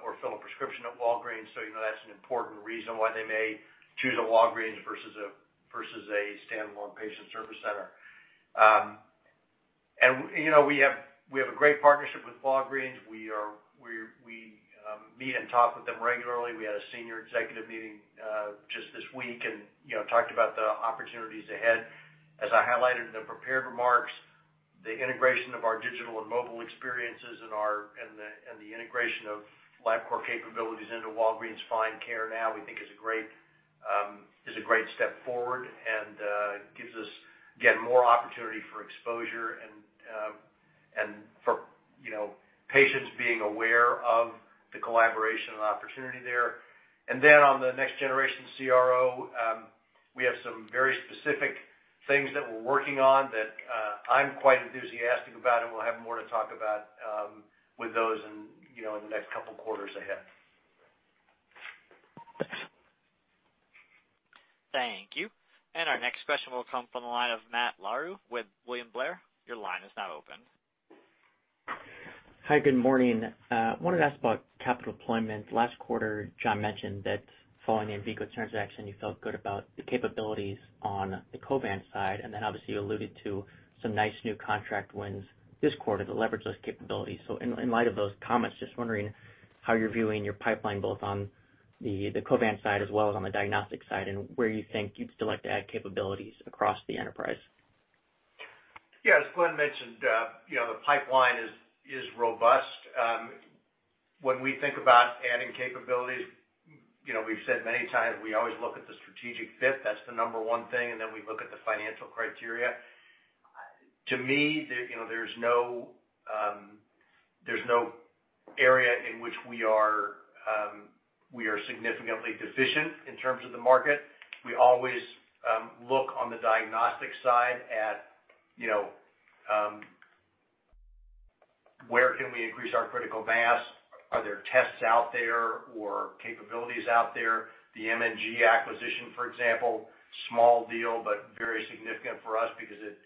or fill a prescription at Walgreens. You know that's an important reason why they may choose a Walgreens versus a standalone patient service center. We have a great partnership with Walgreens. We meet and talk with them regularly. We had a senior executive meeting just this week and talked about the opportunities ahead. As I highlighted in the prepared remarks. The integration of our digital and mobile experiences and the integration of LabCorp capabilities into Walgreens Find Care now we think is a great step forward and gives us more opportunity for exposure and for patients being aware of the collaboration and opportunity there. Then on the next generation CRO, we have some very specific things that we're working on that I'm quite enthusiastic about, and we'll have more to talk about with those in the next couple quarters ahead. Thanks. Thank you. Our next question will come from the line of Matt Larew with William Blair. Your line is now open. Hi, good morning. Wanted to ask about capital deployment. Last quarter, John mentioned that following the Envigo transaction, you felt good about the capabilities on the Covance side, and then obviously you alluded to some nice new contract wins this quarter that leverage those capabilities. In light of those comments, just wondering how you're viewing your pipeline both on the Covance side as well as on the Diagnostics side, and where you think you'd still like to add capabilities across the enterprise. Yeah. As Glenn mentioned, the pipeline is robust. When we think about adding capabilities, we've said many times we always look at the strategic fit. That's the number one thing, we look at the financial criteria. To me, there's no area in which we are significantly deficient in terms of the market. We always look on the Diagnostics side at where can we increase our critical mass? Are there tests out there or capabilities out there? The MNG acquisition, for example, small deal, but very significant for us because it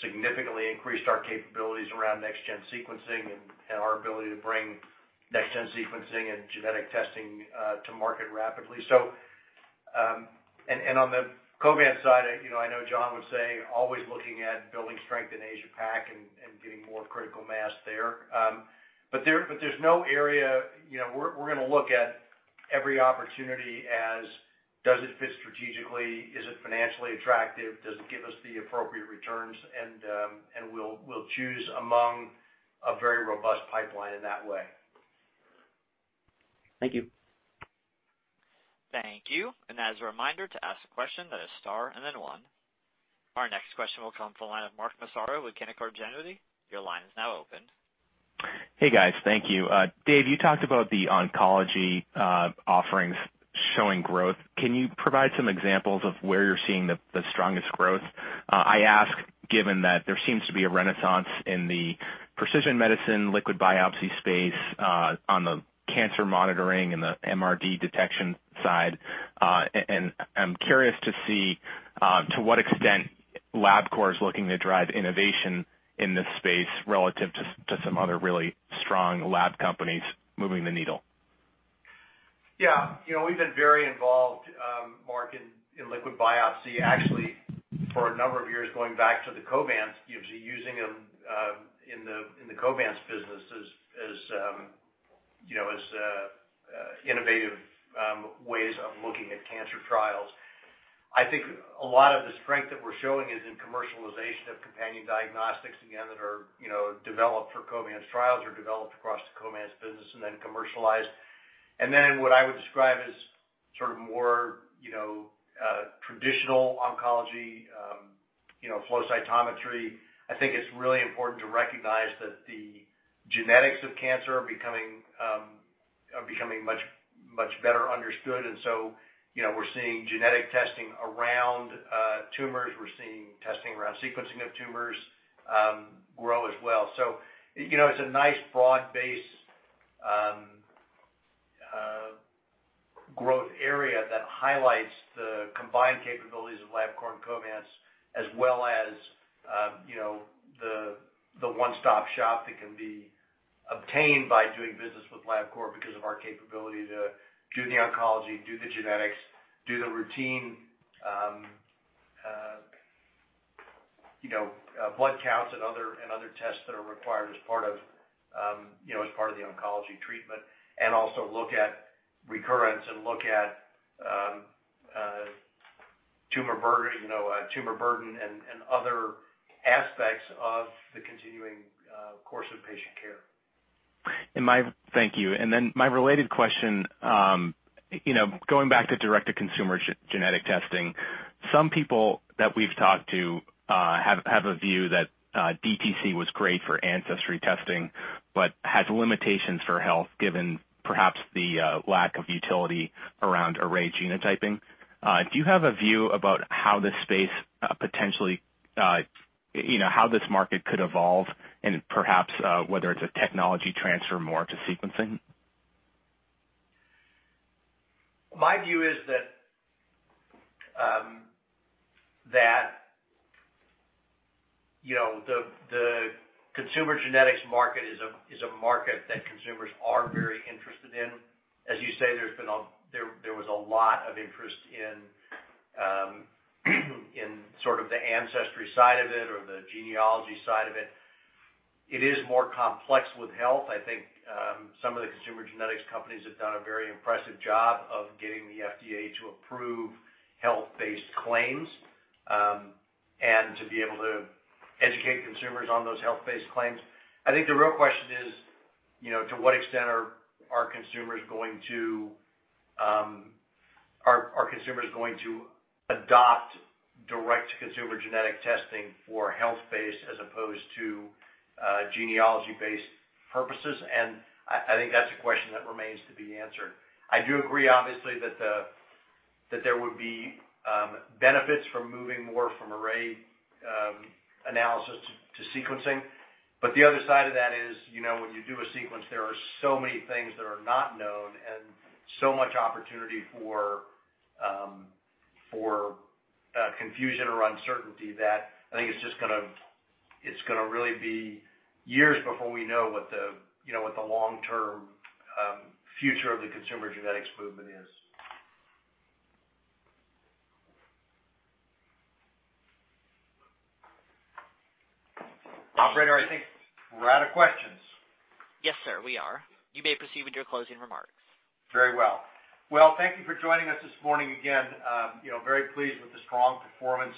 significantly increased our capabilities around next-gen sequencing and our ability to bring next-gen sequencing and genetic testing to market rapidly. On the Covance side, I know John would say, always looking at building strength in Asia-Pac and getting more critical mass there. There's no area. We're going to look at every opportunity as does it fit strategically? Is it financially attractive? Does it give us the appropriate returns? We'll choose among a very robust pipeline in that way. Thank you. Thank you. As a reminder to ask a question that is star and then one. Our next question will come from the line of Mark Massaro with Canaccord Genuity. Your line is now open. Hey, guys. Thank you. Dave, you talked about the oncology offerings showing growth. Can you provide some examples of where you're seeing the strongest growth? I ask given that there seems to be a renaissance in the precision medicine liquid biopsy space, on the cancer monitoring and the MRD detection side. I'm curious to see to what extent LabCorp is looking to drive innovation in this space relative to some other really strong lab companies moving the needle. Yeah. We've been very involved, Mark, in liquid biopsy, actually for a number of years, going back to the Covance, using them in the Covance business as innovative ways of looking at cancer trials. I think a lot of the strength that we're showing is in commercialization of companion diagnostics, again, that are developed for Covance trials or developed across the Covance business and then commercialized. In what I would describe as sort of more traditional oncology flow cytometry. I think it's really important to recognize that the genetics of cancer are becoming much better understood, we're seeing genetic testing around tumors. We're seeing testing around sequencing of tumors grow as well. It's a nice broad base growth area that highlights the combined capabilities of LabCorp and Covance, as well as the one-stop shop that can be obtained by doing business with LabCorp because of our capability to do the oncology, do the genetics, do the routine blood counts and other tests that are required as part of the oncology treatment, and also look at recurrence and look at tumor burden and other aspects of the continuing course of patient care. Thank you. My related question, going back to direct-to-consumer genetic testing, some people that we've talked to have a view that DTC was great for ancestry testing, but has limitations for health given perhaps the lack of utility around array genotyping. Do you have a view about how this market could evolve and perhaps, whether it's a technology transfer more to sequencing? My view is that the consumer genetics market is a market that consumers are very interested in. As you say, there was a lot of interest in sort of the ancestry side of it or the genealogy side of it. It is more complex with health. I think some of the consumer genetics companies have done a very impressive job of getting the FDA to approve health-based claims, and to be able to educate consumers on those health-based claims. I think the real question is, to what extent are consumers going to adopt direct-to-consumer genetic testing for health-based as opposed to genealogy-based purposes? I think that's a question that remains to be answered. I do agree, obviously, that there would be benefits from moving more from array analysis to sequencing. But the other side of that is, when you do a sequence, there are so many things that are not known and so much opportunity for confusion or uncertainty that I think it's going to really be years before we know what the long-term future of the consumer genetics movement is. Operator, I think we're out of questions. Yes, sir, we are. You may proceed with your closing remarks. Very well. Well, thank you for joining us this morning again. Very pleased with the strong performance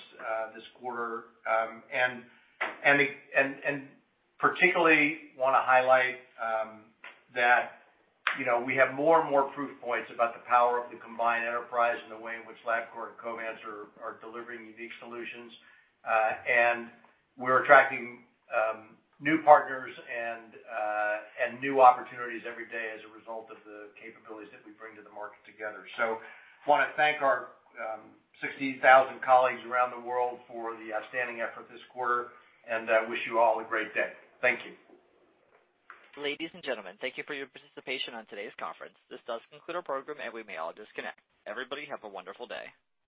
this quarter. Particularly want to highlight that we have more and more proof points about the power of the combined enterprise and the way in which LabCorp and Covance are delivering unique solutions. We're attracting new partners and new opportunities every day as a result of the capabilities that we bring to the market together. Want to thank our 60,000 colleagues around the world for the outstanding effort this quarter, and I wish you all a great day. Thank you. Ladies and gentlemen, thank you for your participation on today's conference. This does conclude our program, and we may all disconnect. Everybody have a wonderful day.